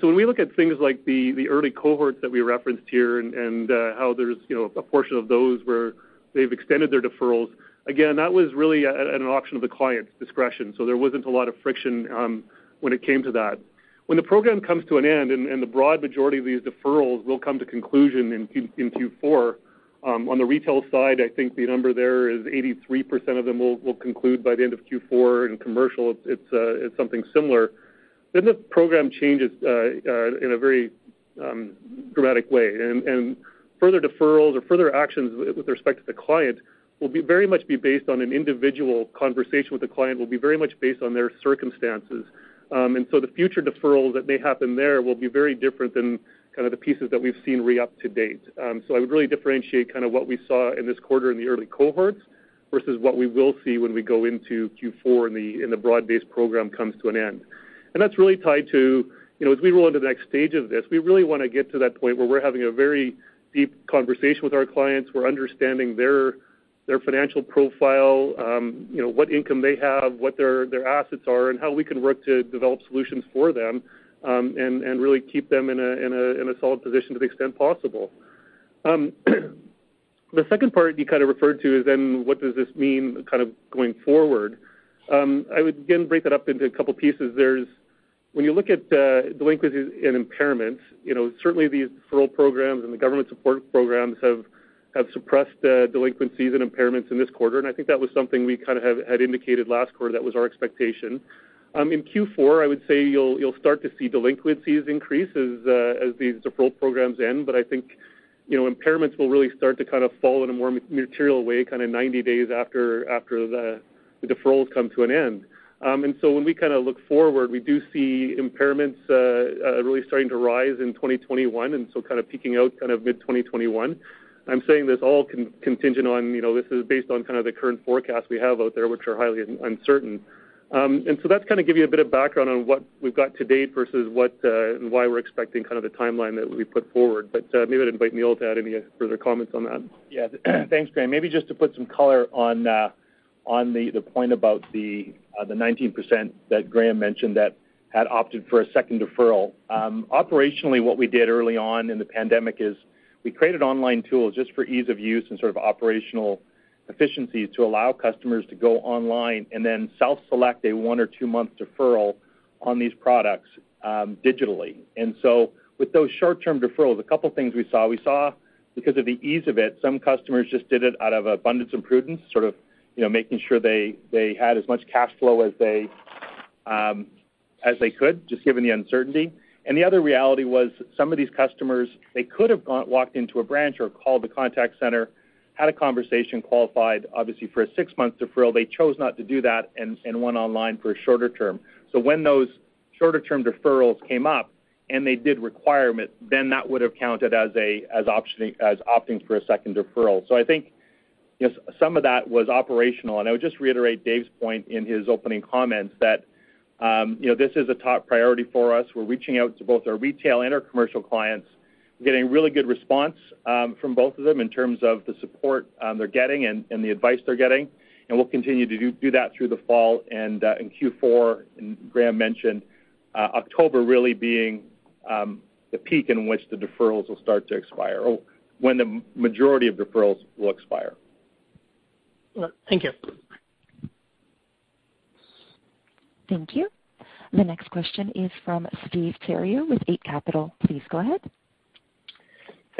When we look at things like the early cohorts that we referenced here and how there's a portion of those where they've extended their deferrals, again, that was really at an option of the client's discretion. There wasn't a lot of friction when it came to that. When the program comes to an end, and the broad majority of these deferrals will come to conclusion in Q4. On the retail side, I think the number there is 83% of them will conclude by the end of Q4. In commercial, it's something similar. The program changes in a very dramatic way, further deferrals or further actions with respect to the client will be very much based on an individual conversation with the client, will be very much based on their circumstances. The future deferrals that may happen there will be very different than kind of the pieces that we've seen re-up to date. I would really differentiate kind of what we saw in this quarter in the early cohorts versus what we will see when we go into Q4 and the broad-based program comes to an end. That's really tied to as we roll into the next stage of this, we really want to get to that point where we're having a very deep conversation with our clients. We're understanding their financial profile, what income they have, what their assets are, and how we can work to develop solutions for them, and really keep them in a solid position to the extent possible. The second part you kind of referred to is then what does this mean kind of going forward? I would, again, break that up into a couple pieces. When you look at delinquencies and impairments, certainly these deferral programs and the government support programs have suppressed delinquencies and impairments in this quarter, and I think that was something we kind of had indicated last quarter that was our expectation. In Q4, I would say you'll start to see delinquencies increase as these deferral programs end. I think impairments will really start to kind of fall in a more material way, kind of 90 days after the deferrals come to an end. When we kind of look forward, we do see impairments really starting to rise in 2021, kind of peaking out kind of mid-2021. I'm saying this all contingent on this is based on kind of the current forecast we have out there, which are highly uncertain. That's kind of give you a bit of background on what we've got to date versus why we're expecting kind of the timeline that we put forward. Maybe I'd invite Neil to add any further comments on that. Yeah. Thanks, Graeme. Maybe just to put some color on the point about the 19% that Graeme mentioned that had opted for a second deferral. Operationally, what we did early on in the pandemic is we created online tools just for ease of use and sort of operational efficiency to allow customers to go online and then self-select a one or two-month deferral on these products digitally. With those short-term deferrals, a couple things we saw. We saw, because of the ease of it, some customers just did it out of abundance and prudence, sort of making sure they had as much cash flow as they could, just given the uncertainty. The other reality was some of these customers, they could have walked into a branch or called the contact center, had a conversation, qualified, obviously, for a six-month deferral. They chose not to do that and went online for a shorter term. When those shorter-term deferrals came up and they did requirement, then that would've counted as opting for a second deferral. I think some of that was operational. I would just reiterate Dave's point in his opening comments that this is a top priority for us. We're reaching out to both our retail and our commercial clients. We're getting really good response from both of them in terms of the support they're getting and the advice they're getting. We'll continue to do that through the fall and in Q4. Graeme mentioned October really being the peak in which the deferrals will start to expire, or when the majority of deferrals will expire. Thank you. Thank you. The next question is from Steve Theriault with Eight Capital. Please go ahead.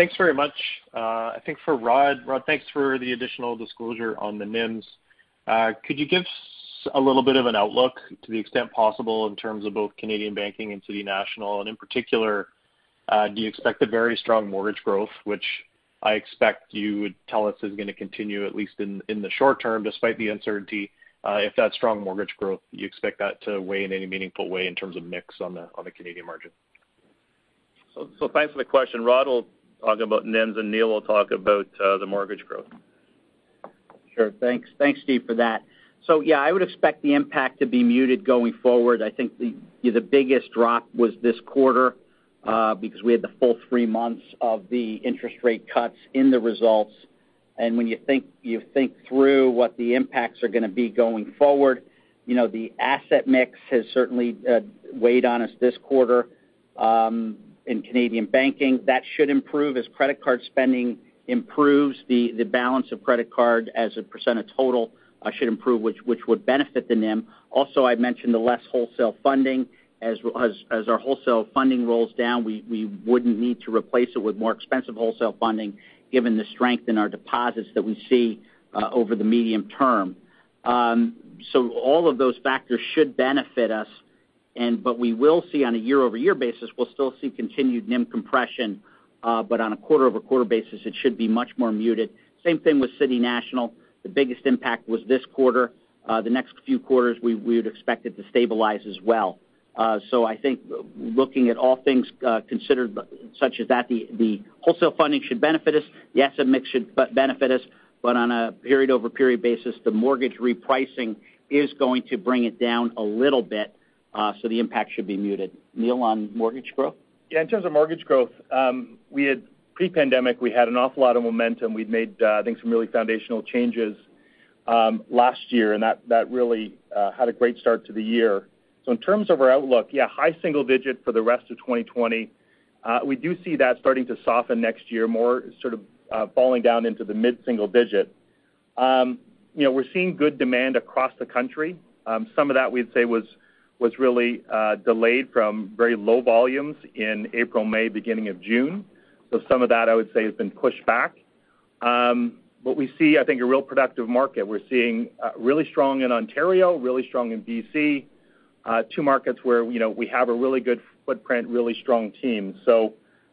Thanks very much. I think for Rod. Rod, thanks for the additional disclosure on the NIMs. Could you give us a little bit of an outlook, to the extent possible, in terms of both Canadian banking and City National? In particular, do you expect the very strong mortgage growth, which I expect you would tell us is going to continue at least in the short term despite the uncertainty. If that strong mortgage growth, do you expect that to weigh in any meaningful way in terms of mix on the Canadian margin? Thanks for the question. Rod will talk about NIM, and Neil will talk about the mortgage growth. Sure. Thanks, Steve, for that. Yeah, I would expect the impact to be muted going forward. I think the biggest drop was this quarter because we had the full three months of the interest rate cuts in the results. When you think through what the impacts are going to be going forward, the asset mix has certainly weighed on us this quarter in Canadian banking. That should improve as credit card spending improves. The balance of credit card as a % of total should improve, which would benefit the NIM. Also, I mentioned the less wholesale funding. As our wholesale funding rolls down, we wouldn't need to replace it with more expensive wholesale funding given the strength in our deposits that we see over the medium term. All of those factors should benefit us, but we will see on a year-over-year basis, we'll still see continued NIM compression. On a quarter-over-quarter basis, it should be much more muted. Same thing with City National. The biggest impact was this quarter. The next few quarters, we would expect it to stabilize as well. I think looking at all things considered such as that, the wholesale funding should benefit us. The asset mix should benefit us. On a period-over-period basis, the mortgage repricing is going to bring it down a little bit. The impact should be muted. Neil, on mortgage growth? Yeah, in terms of mortgage growth, pre-pandemic, we had an awful lot of momentum. We'd made, I think, some really foundational changes last year. That really had a great start to the year. In terms of our outlook, yeah, high single digit for the rest of 2020. We do see that starting to soften next year, more sort of falling down into the mid-single digit. We're seeing good demand across the country. Some of that we'd say was really delayed from very low volumes in April, May, beginning of June. Some of that, I would say, has been pushed back. We see, I think, a real productive market. We're seeing really strong in Ontario, really strong in B.C., two markets where we have a really good footprint, really strong team.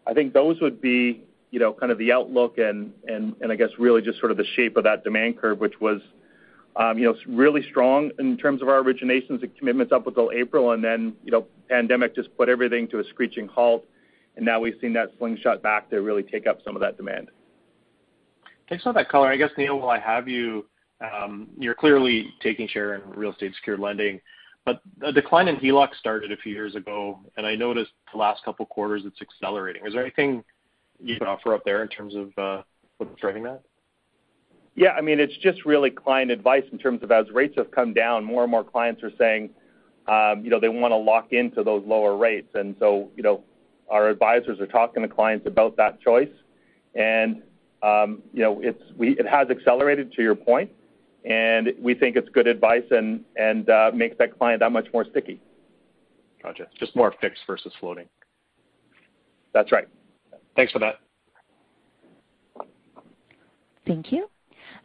I think those would be kind of the outlook and I guess really just sort of the shape of that demand curve, which was really strong in terms of our originations and commitments up until April. Pandemic just put everything to a screeching halt, and now we've seen that slingshot back to really take up some of that demand. Thanks for that color. I guess, Neil, while I have you're clearly taking share in real estate-secured lending, but a decline in HELOC started a few years ago, and I noticed the last couple of quarters it's accelerating. Is there anything you can offer up there in terms of what's driving that? Yeah. It's just really client advice in terms of as rates have come down, more and more clients are saying they want to lock into those lower rates. Our advisors are talking to clients about that choice, and it has accelerated to your point, and we think it's good advice and makes that client that much more sticky. Gotcha. Just more fixed versus floating. That's right. Thanks for that. Thank you.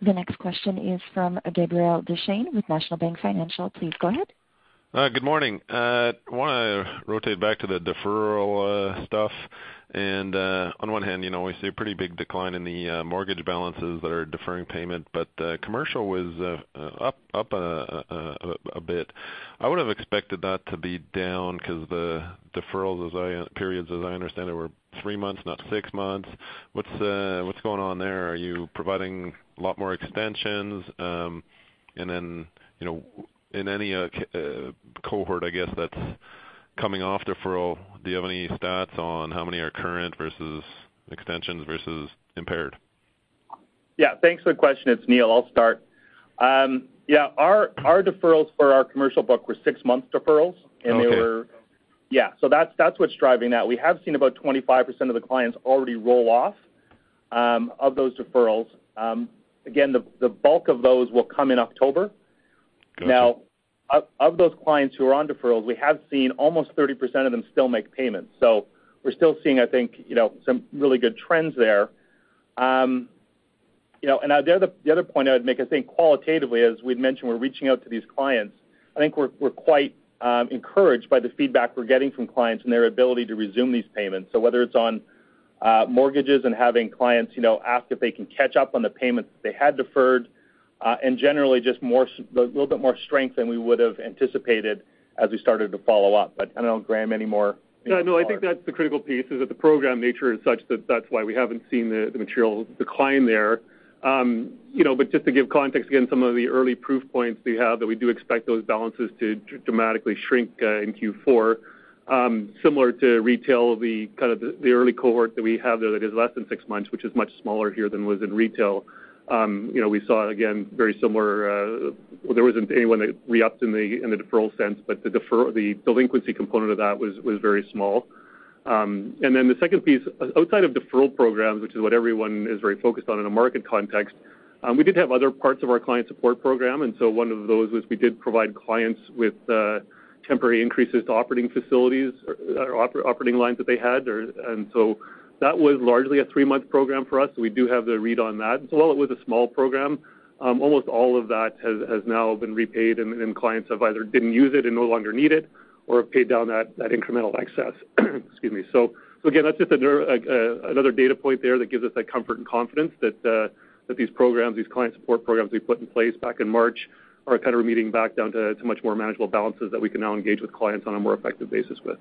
The next question is from Gabriel Dechaine with National Bank Financial. Please go ahead. Good morning. I want to rotate back to the deferral stuff. On one hand, we see a pretty big decline in the mortgage balances that are deferring payment, but commercial was up a bit. I would've expected that to be down because the deferrals periods, as I understand it, were three months, not six months. What's going on there? Are you providing a lot more extensions? Then, in any cohort, I guess, that's coming off deferral, do you have any stats on how many are current versus extensions versus impaired? Yeah. Thanks for the question. It's Neil. I'll start. Yeah, our deferrals for our commercial book were six-month deferrals. Okay. Yeah. That's what's driving that. We have seen about 25% of the clients already roll off of those deferrals, again, the bulk of those will come in October. Of those clients who are on deferrals, we have seen almost 30% of them still make payments. We're still seeing, I think, some really good trends there. The other point I would make, I think qualitatively, as we'd mentioned, we're reaching out to these clients. I think we're quite encouraged by the feedback we're getting from clients and their ability to resume these payments. Whether it's on mortgages and having clients ask if they can catch up on the payments that they had deferred, and generally just a little bit more strength than we would've anticipated as we started to follow up. I don't know, Graeme, any more? I think that's the critical piece is that the program nature is such that that's why we haven't seen the material decline there. Just to give context, again, some of the early proof points we have that we do expect those balances to dramatically shrink in Q4. Similar to retail, the early cohort that we have there that is less than six months, which is much smaller here than it was in retail. We saw, again, very similar. There wasn't anyone that re-upped in the deferral sense, but the delinquency component of that was very small. The second piece, outside of deferral programs, which is what everyone is very focused on in a market context, we did have other parts of our client support program. One of those was we did provide clients with temporary increases to operating facilities or operating lines that they had. That was largely a three-month program for us, so we do have the read on that. While it was a small program, almost all of that has now been repaid, and clients have either didn't use it and no longer need it or have paid down that incremental excess. Excuse me. Again, that's just another data point there that gives us that comfort and confidence that these programs, these client support programs we put in place back in March are kind of remitting back down to much more manageable balances that we can now engage with clients on a more effective basis with.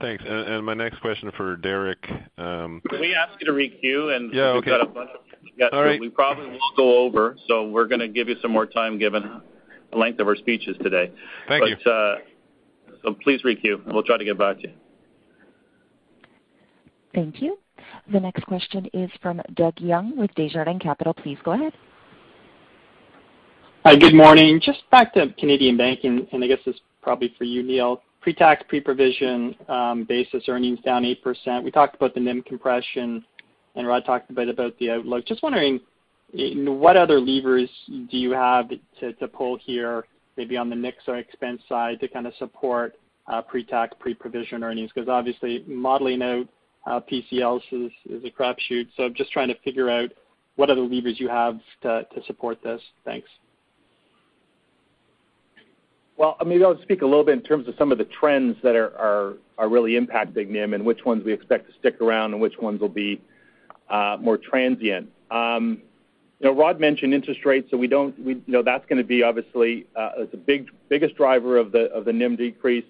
Thanks. My next question for Derek. Can we ask you to re-queue? Yeah, okay. We've got a bunch of people yet, so we probably will go over. We're going to give you some more time given the length of our speeches today. Thank you. Please re-queue, and we'll try to get back to you. Thank you. The next question is from Doug Young with Desjardins Capital. Please go ahead. Hi, good morning. Just back to Canadian banking. I guess this is probably for you, Neil. Pre-tax, pre-provision basis earnings down 8%. We talked about the NIM compression. Rod talked a bit about the outlook. Just wondering what other levers do you have to pull here, maybe on the mix or expense side, to kind of support pre-tax, pre-provision earnings? Obviously modeling out PCLs is a crap shoot. Just trying to figure out what other levers you have to support this. Thanks. Well, maybe I'll speak a little bit in terms of some of the trends that are really impacting NIM and which ones we expect to stick around and which ones will be more transient. Rod mentioned interest rates, that's going to be obviously the biggest driver of the NIM decrease,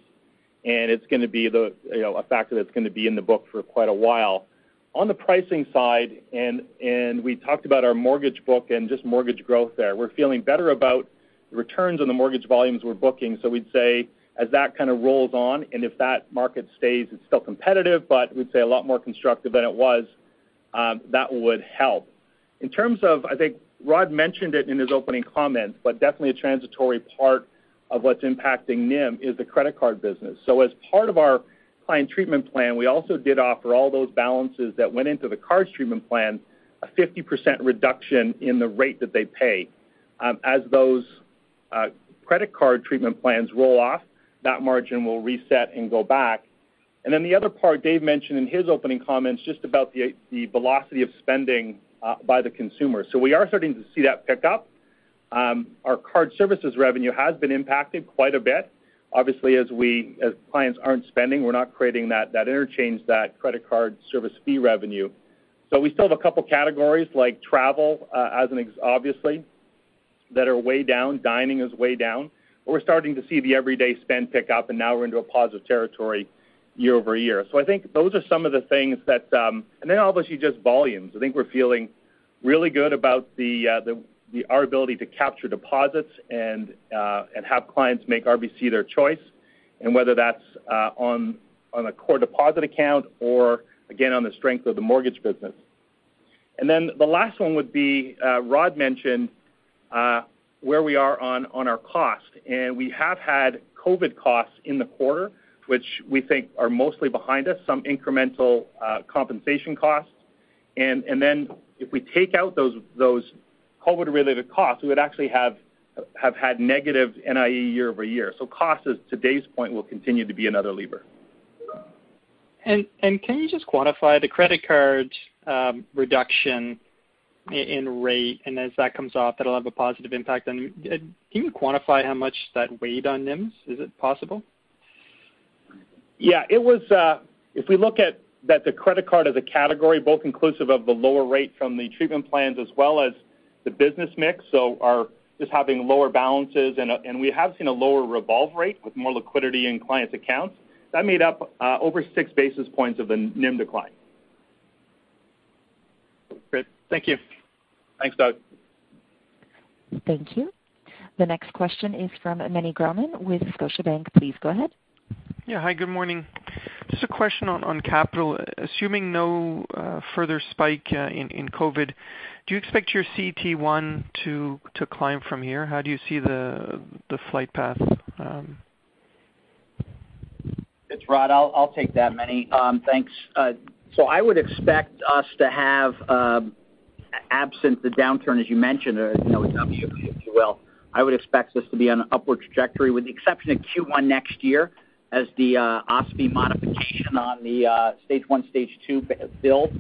and it's going to be a factor that's going to be in the book for quite a while. On the pricing side, we talked about our mortgage book and just mortgage growth there. We're feeling better about returns on the mortgage volumes we're booking. We'd say as that kind of rolls on, and if that market stays, it's still competitive, but we'd say a lot more constructive than it was, that would help. In terms of, I think Rod mentioned it in his opening comments, definitely a transitory part of what's impacting NIM is the credit card business. As part of our client treatment plan, we also did offer all those balances that went into the card treatment plan, a 50% reduction in the rate that they pay. As those credit card treatment plans roll off, that margin will reset and go back. The other part Dave mentioned in his opening comments, just about the velocity of spending by the consumer. We are starting to see that pick up. Our card services revenue has been impacted quite a bit. Obviously, as clients aren't spending, we're not creating that interchange, that credit card service fee revenue. We still have a couple categories like travel, obviously, that are way down. Dining is way down. We're starting to see the everyday spend pick up, and now we're into a positive territory year-over-year. I think those are some of the things. Obviously just volumes. I think we're feeling really good about our ability to capture deposits and have clients make RBC their choice, and whether that's on a core deposit account or again, on the strength of the mortgage business. The last one would be Rod mentioned where we are on our cost. We have had COVID costs in the quarter, which we think are mostly behind us, some incremental compensation costs. If we take out those COVID-related costs, we would actually have had negative NIE year-over-year. Cost is, to Dave's point, will continue to be another lever. Can you just quantify the credit card reduction in rate? As that comes off, it'll have a positive impact. Can you quantify how much that weighed on NIMs? Is it possible? Yeah. If we look at the credit card as a category, both inclusive of the lower rate from the treatment plans as well as the business mix, so are just having lower balances, and we have seen a lower revolve rate with more liquidity in clients' accounts. That made up over 6 basis points of the NIM decline. Great. Thank you. Thanks, Doug. Thank you. The next question is from Meny Grauman with Scotiabank. Please go ahead. Yeah. Hi, good morning. Just a question on capital. Assuming no further spike in COVID, do you expect your CET1 to climb from here? How do you see the flight path? It's Rod, I'll take that, Meny. Thanks. I would expect us to have, absent the downturn, as you mentioned, or a double dip, if you will, I would expect us to be on an upward trajectory with the exception of Q1 next year, as the OSFI modification on the stage one, stage two build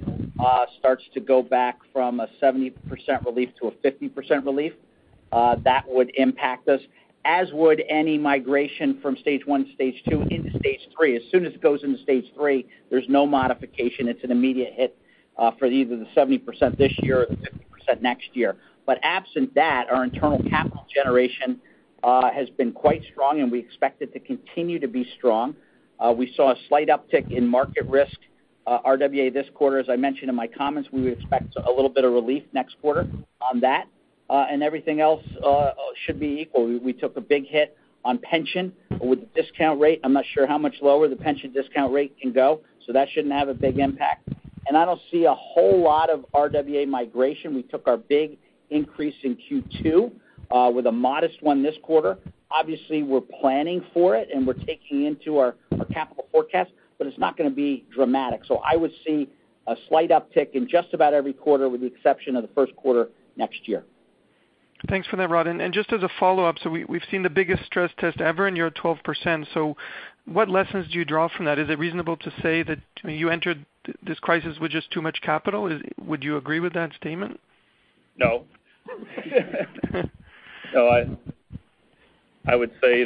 starts to go back from a 70% relief to a 50% relief. That would impact us, as would any migration from stage one, stage two into stage three. As soon as it goes into stage three, there's no modification. It's an immediate hit for either the 70% this year or the 50% next year. Absent that, our internal capital generation has been quite strong, and we expect it to continue to be strong. We saw a slight uptick in market risk RWA this quarter. As I mentioned in my comments, we would expect a little bit of relief next quarter on that. Everything else should be equal. We took a big hit on pension with the discount rate. I'm not sure how much lower the pension discount rate can go, so that shouldn't have a big impact. I don't see a whole lot of RWA migration. We took our big increase in Q2 with a modest one this quarter. Obviously, we're planning for it, and we're taking into our capital forecast, but it's not going to be dramatic. I would see a slight uptick in just about every quarter with the exception of the first quarter next year. Thanks for that, Rod. Just as a follow-up, we've seen the biggest stress test ever, and you're at 12%. What lessons do you draw from that? Is it reasonable to say that you entered this crisis with just too much capital? Would you agree with that statement? No, I would say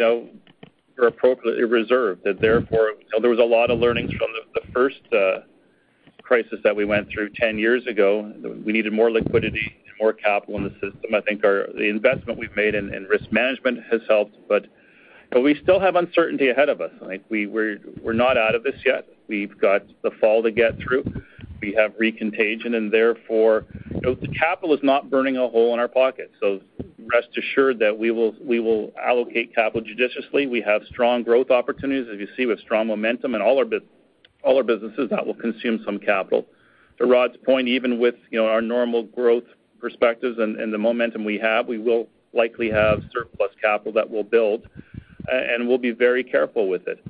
we're appropriately reserved. Therefore, there was a lot of learnings from the first crisis that we went through 10 years ago. We needed more liquidity and more capital in the system. I think the investment we've made in risk management has helped, but we still have uncertainty ahead of us. We're not out of this yet. We've got the fall to get through. We have re-contagion, therefore, the capital is not burning a hole in our pocket. Rest assured that we will allocate capital judiciously. We have strong growth opportunities, as you see, with strong momentum in all our businesses that will consume some capital. To Rod's point, even with our normal growth perspectives and the momentum we have, we will likely have surplus capital that we'll build, we'll be very careful with it.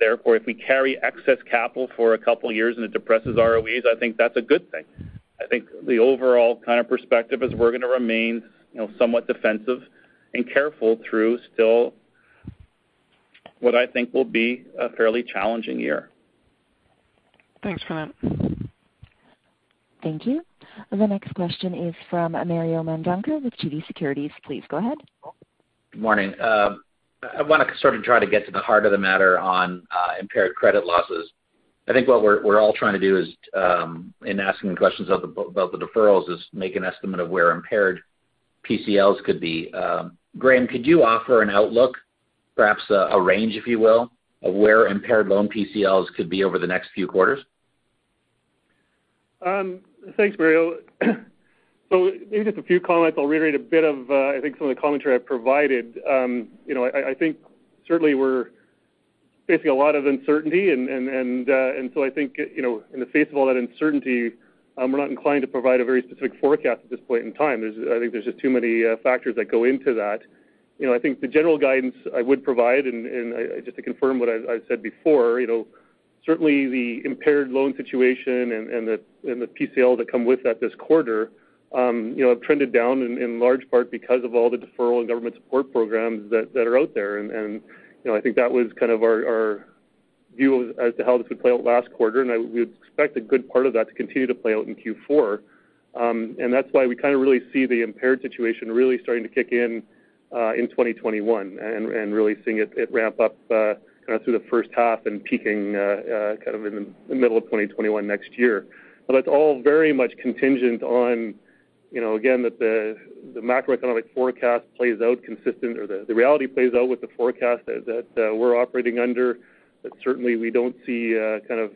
Therefore, if we carry excess capital for a couple of years and it depresses ROEs, I think that's a good thing. I think the overall kind of perspective is we're going to remain somewhat defensive and careful through still what I think will be a fairly challenging year. Thanks for that. Thank you. The next question is from Mario Mendonca with TD Securities. Please go ahead. Morning. I want to sort of try to get to the heart of the matter on impaired credit losses. I think what we're all trying to do is, in asking questions about the deferrals, is make an estimate of where impaired PCLs could be. Graeme, could you offer an outlook, perhaps a range, if you will, of where impaired loan PCLs could be over the next few quarters? Thanks, Mario. Maybe just a few comments. I'll reiterate a bit of, I think some of the commentary I've provided. I think certainly we're facing a lot of uncertainty, and so I think, in the face of all that uncertainty, we're not inclined to provide a very specific forecast at this point in time. I think there's just too many factors that go into that. I think the general guidance I would provide, and just to confirm what I said before, certainly the impaired loan situation and the PCL that come with that this quarter have trended down in large part because of all the deferral and government support programs that are out there. I think that was kind of our view as to how this would play out last quarter, and we would expect a good part of that to continue to play out in Q4. That's why we kind of really see the impaired situation really starting to kick in 2021, and really seeing it ramp up kind of through the first half and peaking kind of in the middle of 2021 next year. That's all very much contingent on, again, that the macroeconomic forecast plays out consistent or the reality plays out with the forecast that we're operating under. Certainly we don't see kind of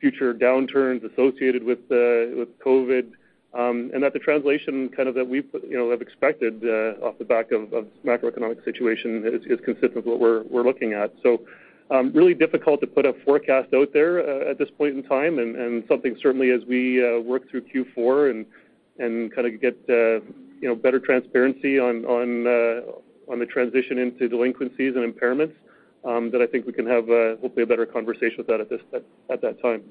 future downturns associated with COVID, and that the translation kind of that we have expected off the back of macroeconomic situation is consistent with what we're looking at. Really difficult to put a forecast out there at this point in time, and something certainly as we work through Q4 and kind of get better transparency on the transition into delinquencies and impairments that I think we can have hopefully a better conversation with that at that time.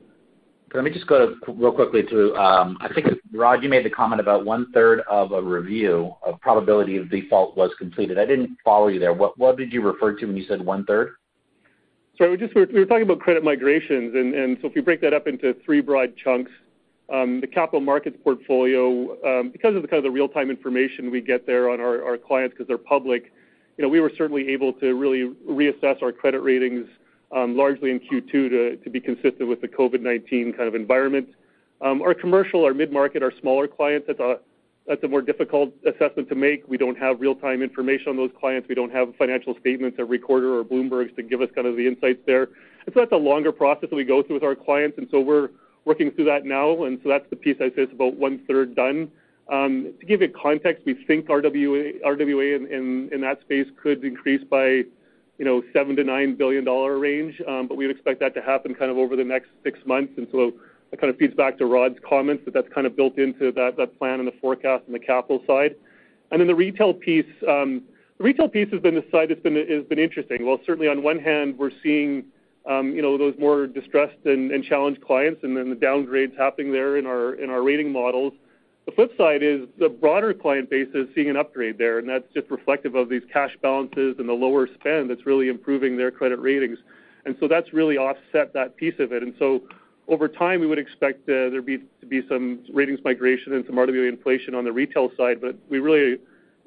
Can I just go real quickly to, I think, Rod, you made the comment about one-third of a review of probability of default was completed. I didn't follow you there. What did you refer to when you said one-third? We were talking about credit migrations, if you break that up into three broad chunks, the Capital Markets portfolio because of the kind of real-time information we get there on our clients because they're public, we were certainly able to really reassess our credit ratings largely in Q2 to be consistent with the COVID-19 kind of environment. Our commercial, our mid-market, our smaller clients, that's a more difficult assessment to make. We don't have real-time information on those clients. We don't have financial statements or Reuters or Bloomberg to give us kind of the insights there. That's a longer process that we go through with our clients, we're working through that now. That's the piece I'd say is about one-third done. To give you context, we think RWA in that space could increase by 7 billion-9 billion dollar range. We would expect that to happen kind of over the next six months. That kind of feeds back to Rod's comments that that's kind of built into that plan and the forecast on the capital side. Then the retail piece has been the side that's been interesting. While certainly on one hand, we're seeing those more distressed and challenged clients and then the downgrades happening there in our rating models. The flip side is the broader client base is seeing an upgrade there, and that's just reflective of these cash balances and the lower spend that's really improving their credit ratings. That's really offset that piece of it. Over time, we would expect there to be some ratings migration and some RWA inflation on the retail side. We really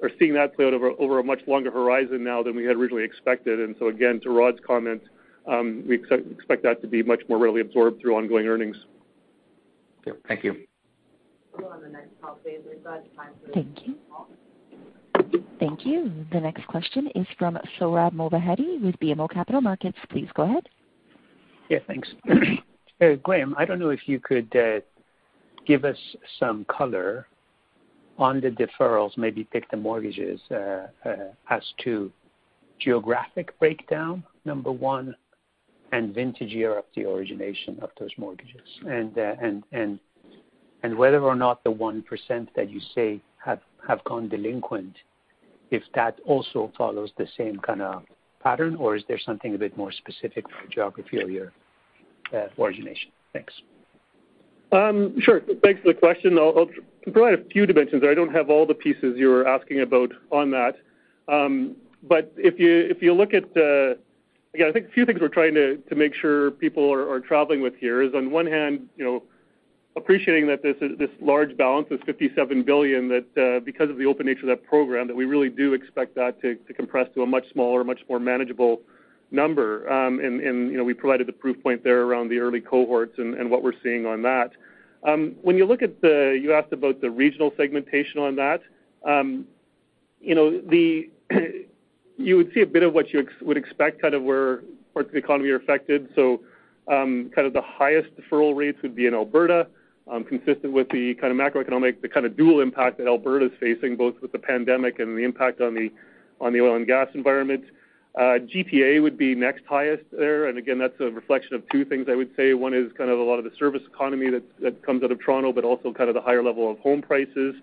are seeing that play out over a much longer horizon now than we had originally expected. Again, to Rod's comment, we expect that to be much more readily absorbed through ongoing earnings. Okay. Thank you. Thank you. The next question is from Sohrab Movahedi with BMO Capital Markets. Please go ahead. Yeah, thanks. Graeme, I don't know if you could give us some color on the deferrals, maybe pick the mortgages as to geographic breakdown, number one, and vintage year of the origination of those mortgages. Whether or not the 1% that you say have gone delinquent, if that also follows the same kind of pattern, or is there something a bit more specific by geography or year, origination? Thanks. Sure. Thanks for the question. I'll provide a few dimensions there. I don't have all the pieces you were asking about on that. I think few things we're trying to make sure people are traveling with here is on one hand, appreciating that this large balance, this 57 billion, that because of the open nature of that program, that we really do expect that to compress to a much smaller, much more manageable number. We provided the proof point there around the early cohorts and what we're seeing on that. You asked about the regional segmentation on that. You would see a bit of what you would expect, kind of where parts of the economy are affected. The highest deferral rates would be in Alberta, consistent with the kind of macroeconomic, the kind of dual impact that Alberta's facing, both with the pandemic and the impact on the oil and gas environment. GTA would be next highest there. Again, that's a reflection of two things I would say. One is kind of a lot of the service economy that comes out of Toronto, but also kind of the higher level of home prices.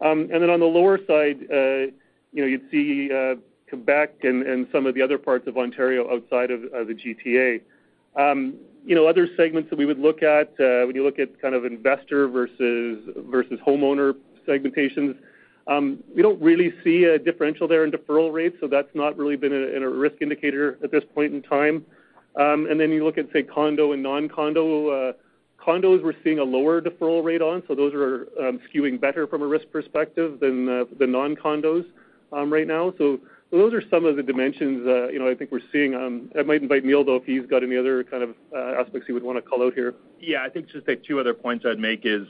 Then on the lower side, you'd see Quebec and some of the other parts of Ontario outside of the GTA. Other segments that we would look at when you look at kind of investor versus homeowner segmentations. We don't really see a differential there in deferral rates, so that's not really been a risk indicator at this point in time. Then you look at, say, condo and non-condo. Condos we're seeing a lower deferral rate on, so those are skewing better from a risk perspective than the non-condos right now. Those are some of the dimensions I think we're seeing. I might invite Neil, though, if he's got any other kind of aspects he would want to call out here. I think just the two other points I'd make is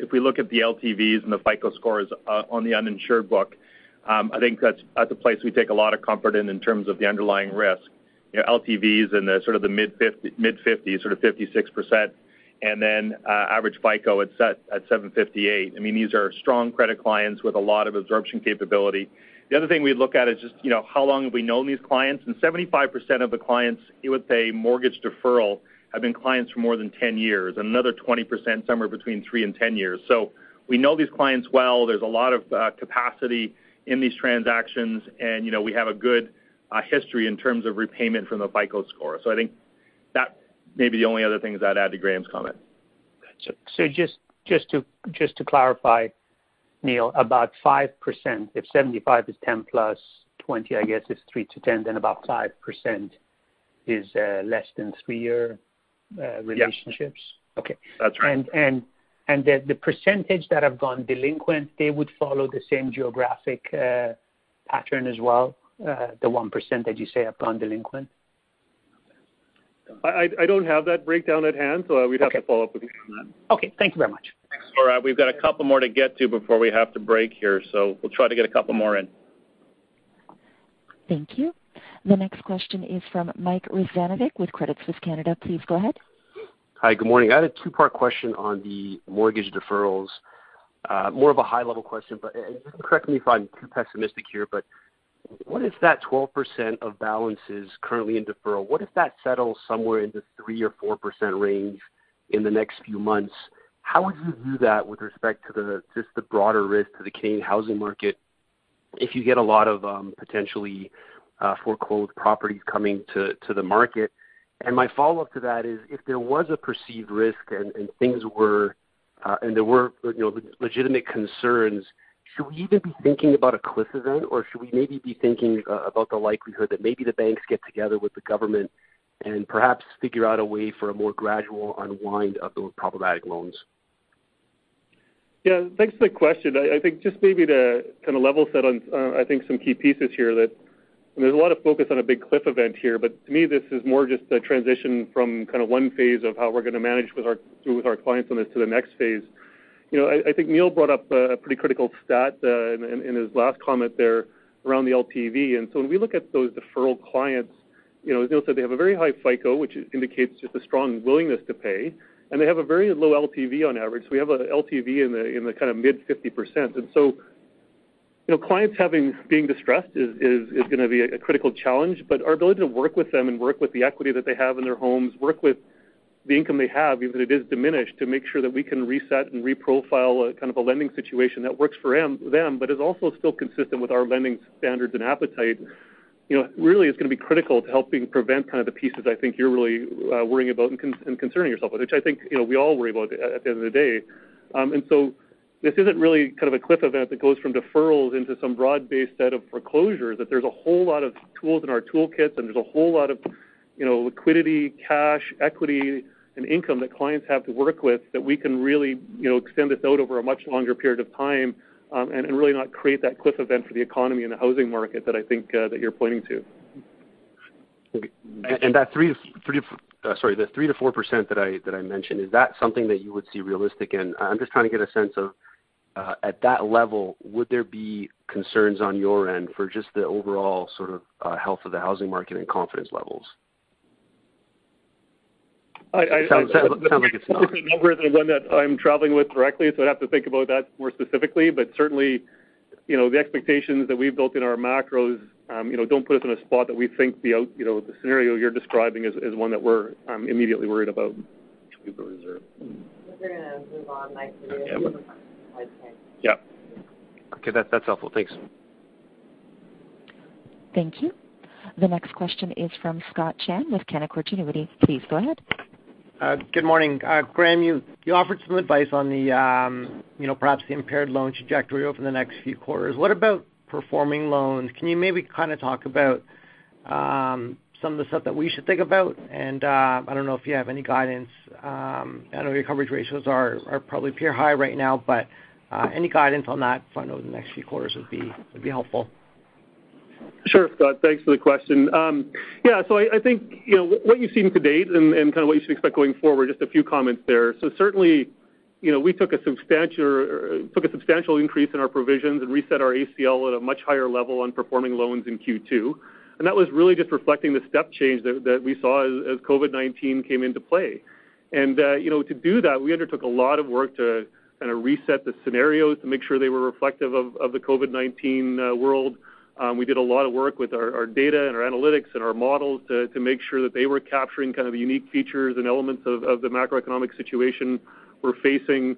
if we look at the LTVs and the FICO scores on the uninsured book, I think that's a place we take a lot of comfort in terms of the underlying risk. LTVs in the sort of the mid 50s, sort of 56%, average FICO at 758. These are strong credit clients with a lot of absorption capability. The other thing we look at is just how long have we known these clients, 75% of the clients you would say mortgage deferral have been clients for more than 10 years. Another 20%, somewhere between three and 10 years. We know these clients well. There's a lot of capacity in these transactions, we have a good history in terms of repayment from the FICO score. I think that may be the only other thing is I'd add to Graeme's comment. Got you. Just to clarify, Neil, about 5%, if 75% is 10+ 20%, I guess it's 3 to 10, then about 5% is less than three-year relationships. Yeah. Okay. That's right. The percentage that have gone delinquent, they would follow the same geographic pattern as well, the 1% that you say have gone delinquent? I don't have that breakdown at hand, so we'd have to follow up with you on that. Okay. Thank you very much. Thanks. Sohrab. We've got a couple more to get to before we have to break here. We'll try to get a couple more in. Thank you. The next question is from Mike Rizvanovic with Credit Suisse Canada. Please go ahead. Hi, good morning. I had a two-part question on the mortgage deferrals. More of a high-level question. Correct me if I'm too pessimistic here, but what if that 12% of balance is currently in deferral? What if that settles somewhere in the 3% or 4% range in the next few months? How would you view that with respect to just the broader risk to the Canadian housing market if you get a lot of potentially foreclosed properties coming to the market? My follow-up to that is if there was a perceived risk and there were legitimate concerns, should we even be thinking about a cliff event, or should we maybe be thinking about the likelihood that maybe the banks get together with the government and perhaps figure out a way for a more gradual unwind of those problematic loans? Yeah. Thanks for the question. I think just maybe to kind of level set on I think some key pieces here that there's a lot of focus on a big cliff event here. To me, this is more just a transition from kind of one phase of how we're going to manage with our clients on this to the next phase. I think Neil brought up a pretty critical stat in his last comment there around the LTV. When we look at those deferral clients, as Neil said, they have a very high FICO, which indicates just a strong willingness to pay, and they have a very low LTV on average. We have a LTV in the kind of mid 50%. Clients being distressed is going to be a critical challenge, but our ability to work with them and work with the equity that they have in their homes, work with the income they have, even if it is diminished, to make sure that we can reset and reprofile a kind of a lending situation that works for them but is also still consistent with our lending standards and appetite, really is going to be critical to helping prevent kind of the pieces I think you're really worrying about and concerning yourself with, which I think we all worry about at the end of the day. This isn't really kind of a cliff event that goes from deferrals into some broad-based set of foreclosures, that there's a whole lot of tools in our toolkit, and there's a whole lot of liquidity, cash, equity, and income that clients have to work with that we can really extend this out over a much longer period of time. Really not create that cliff event for the economy and the housing market that I think that you're pointing to. Okay. That 3%-4% that I mentioned, is that something that you would see realistic in-- I'm just trying to get a sense of, at that level, would there be concerns on your end for just the overall sort of health of the housing market and confidence levels? Sounds like it's not. It's not a number that I'm traveling with directly, so I'd have to think about that more specifically. Certainly, the expectations that we've built in our macros don't put us in a spot that we think the scenario you're describing is one that we're immediately worried about. We're going to move on nicely to the next question. Yeah. Okay. That's helpful. Thanks. Thank you. The next question is from Scott Chan with Canaccord Genuity. Please go ahead. Good morning. Graeme, you offered some advice on perhaps the impaired loan trajectory over the next few quarters. What about performing loans? Can you maybe kind of talk about some of the stuff that we should think about? I don't know if you have any guidance. I know your coverage ratios are probably peer high right now, but any guidance on that front over the next few quarters would be helpful. Sure, Scott. Thanks for the question. Yeah. I think what you've seen to date and kind of what you should expect going forward, just a few comments there. Certainly, we took a substantial increase in our provisions and reset our ACL at a much higher level on performing loans in Q2, and that was really just reflecting the step change that we saw as COVID-19 came into play. To do that, we undertook a lot of work to kind of reset the scenarios to make sure they were reflective of the COVID-19 world. We did a lot of work with our data and our analytics and our models to make sure that they were capturing kind of the unique features and elements of the macroeconomic situation we're facing,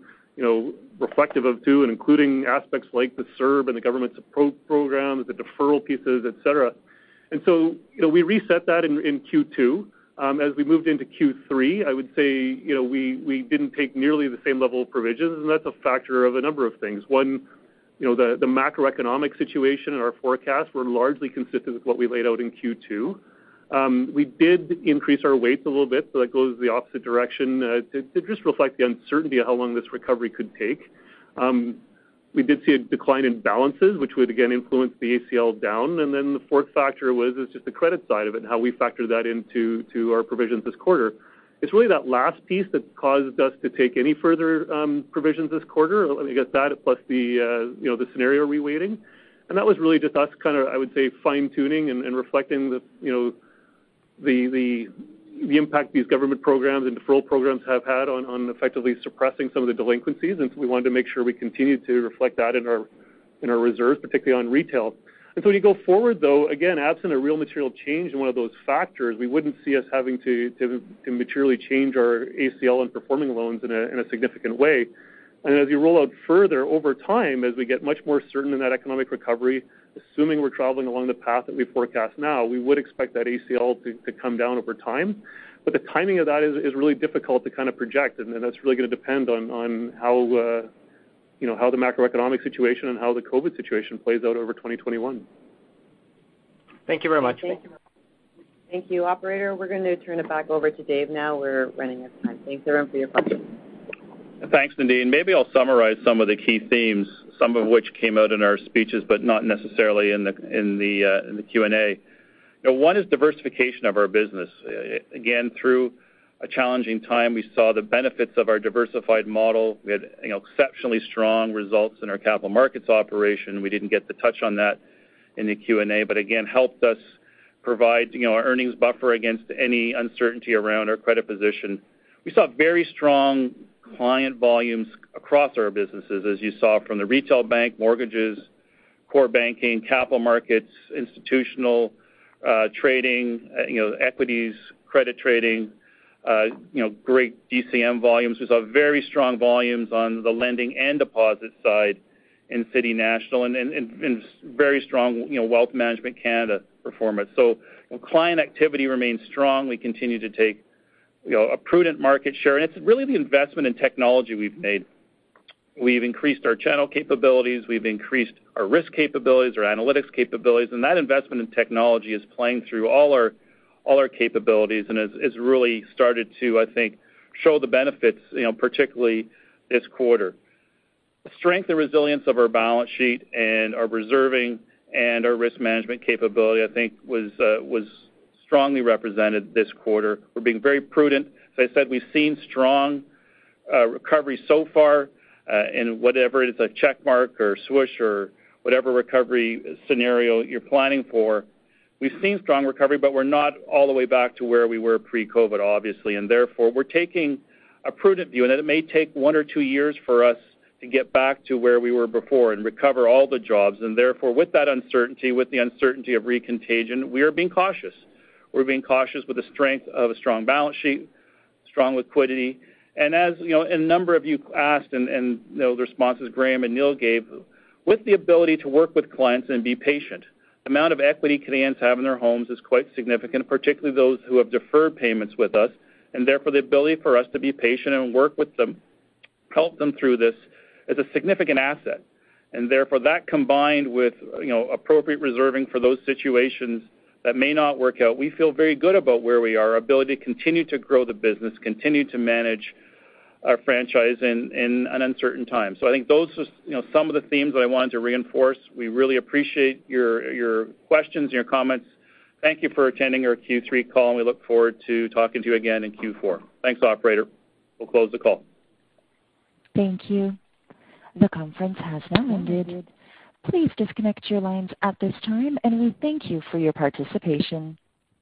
reflective of too and including aspects like the CERB and the government's programs, the deferral pieces, et cetera. We reset that in Q2. As we moved into Q3, I would say we didn't take nearly the same level of provisions, and that's a factor of a number of things. One, the macroeconomic situation and our forecasts were largely consistent with what we laid out in Q2. We did increase our weights a little bit, so that goes the opposite direction to just reflect the uncertainty of how long this recovery could take. We did see a decline in balances, which would again influence the ACL down. The fourth factor was just the credit side of it and how we factor that into our provisions this quarter. It's really that last piece that caused us to take any further provisions this quarter. I guess that plus the scenario reweighting. That was really just us kind of, I would say, fine-tuning and reflecting the impact these government programs and deferral programs have had on effectively suppressing some of the delinquencies. We wanted to make sure we continued to reflect that in our reserves, particularly on retail. You go forward, though, again, absent a real material change in one of those factors, we wouldn't see us having to materially change our ACL on performing loans in a significant way. As you roll out further over time, as we get much more certain in that economic recovery, assuming we're traveling along the path that we forecast now, we would expect that ACL to come down over time, but the timing of that is really difficult to kind of project. That's really going to depend on how the macroeconomic situation and how the COVID situation plays out over 2021. Thank you very much. Thank you. Operator, we're going to turn it back over to Dave now. We're running out of time. Thanks everyone for your questions. Thanks, Nadine. Maybe I'll summarize some of the key themes, some of which came out in our speeches, but not necessarily in the Q&A. One is diversification of our business. Again, through a challenging time, we saw the benefits of our diversified model. We had exceptionally strong results in our Capital Markets operation. We didn't get to touch on that in the Q&A, but again, helped us provide our earnings buffer against any uncertainty around our credit position. We saw very strong client volumes across our businesses, as you saw from the retail bank, mortgages, core banking, Capital Markets, institutional trading, equities, credit trading, great DCM volumes. We saw very strong volumes on the lending and deposit side in City National and very strong Wealth Management Canada performance. Client activity remains strong. We continue to take a prudent market share. It's really the investment in technology we've made. We've increased our channel capabilities, we've increased our risk capabilities, our analytics capabilities, and that investment in technology is playing through all our capabilities and has really started to, I think, show the benefits, particularly this quarter. The strength and resilience of our balance sheet and our reserving and our risk management capability, I think was strongly represented this quarter. We're being very prudent. As I said, we've seen strong recovery so far in whatever it is, like check mark or swoosh or whatever recovery scenario you're planning for. We've seen strong recovery. We're not all the way back to where we were pre-COVID, obviously. Therefore, we're taking a prudent view. It may take one or two years for us to get back to where we were before and recover all the jobs. Therefore, with that uncertainty, with the uncertainty of recontagion, we are being cautious. We're being cautious with the strength of a strong balance sheet, strong liquidity. As a number of you asked and the responses Graeme and Neil gave, with the ability to work with clients and be patient, the amount of equity Canadians have in their homes is quite significant, particularly those who have deferred payments with us, and therefore the ability for us to be patient and work with them, help them through this is a significant asset. Therefore, that combined with appropriate reserving for those situations that may not work out, we feel very good about where we are, our ability to continue to grow the business, continue to manage our franchise in an uncertain time. I think those are some of the themes that I wanted to reinforce. We really appreciate your questions and your comments. Thank you for attending our Q3 call. We look forward to talking to you again in Q4. Thanks, operator. We'll close the call. Thank you. The conference has now ended. Please disconnect your lines at this time, and we thank you for your participation.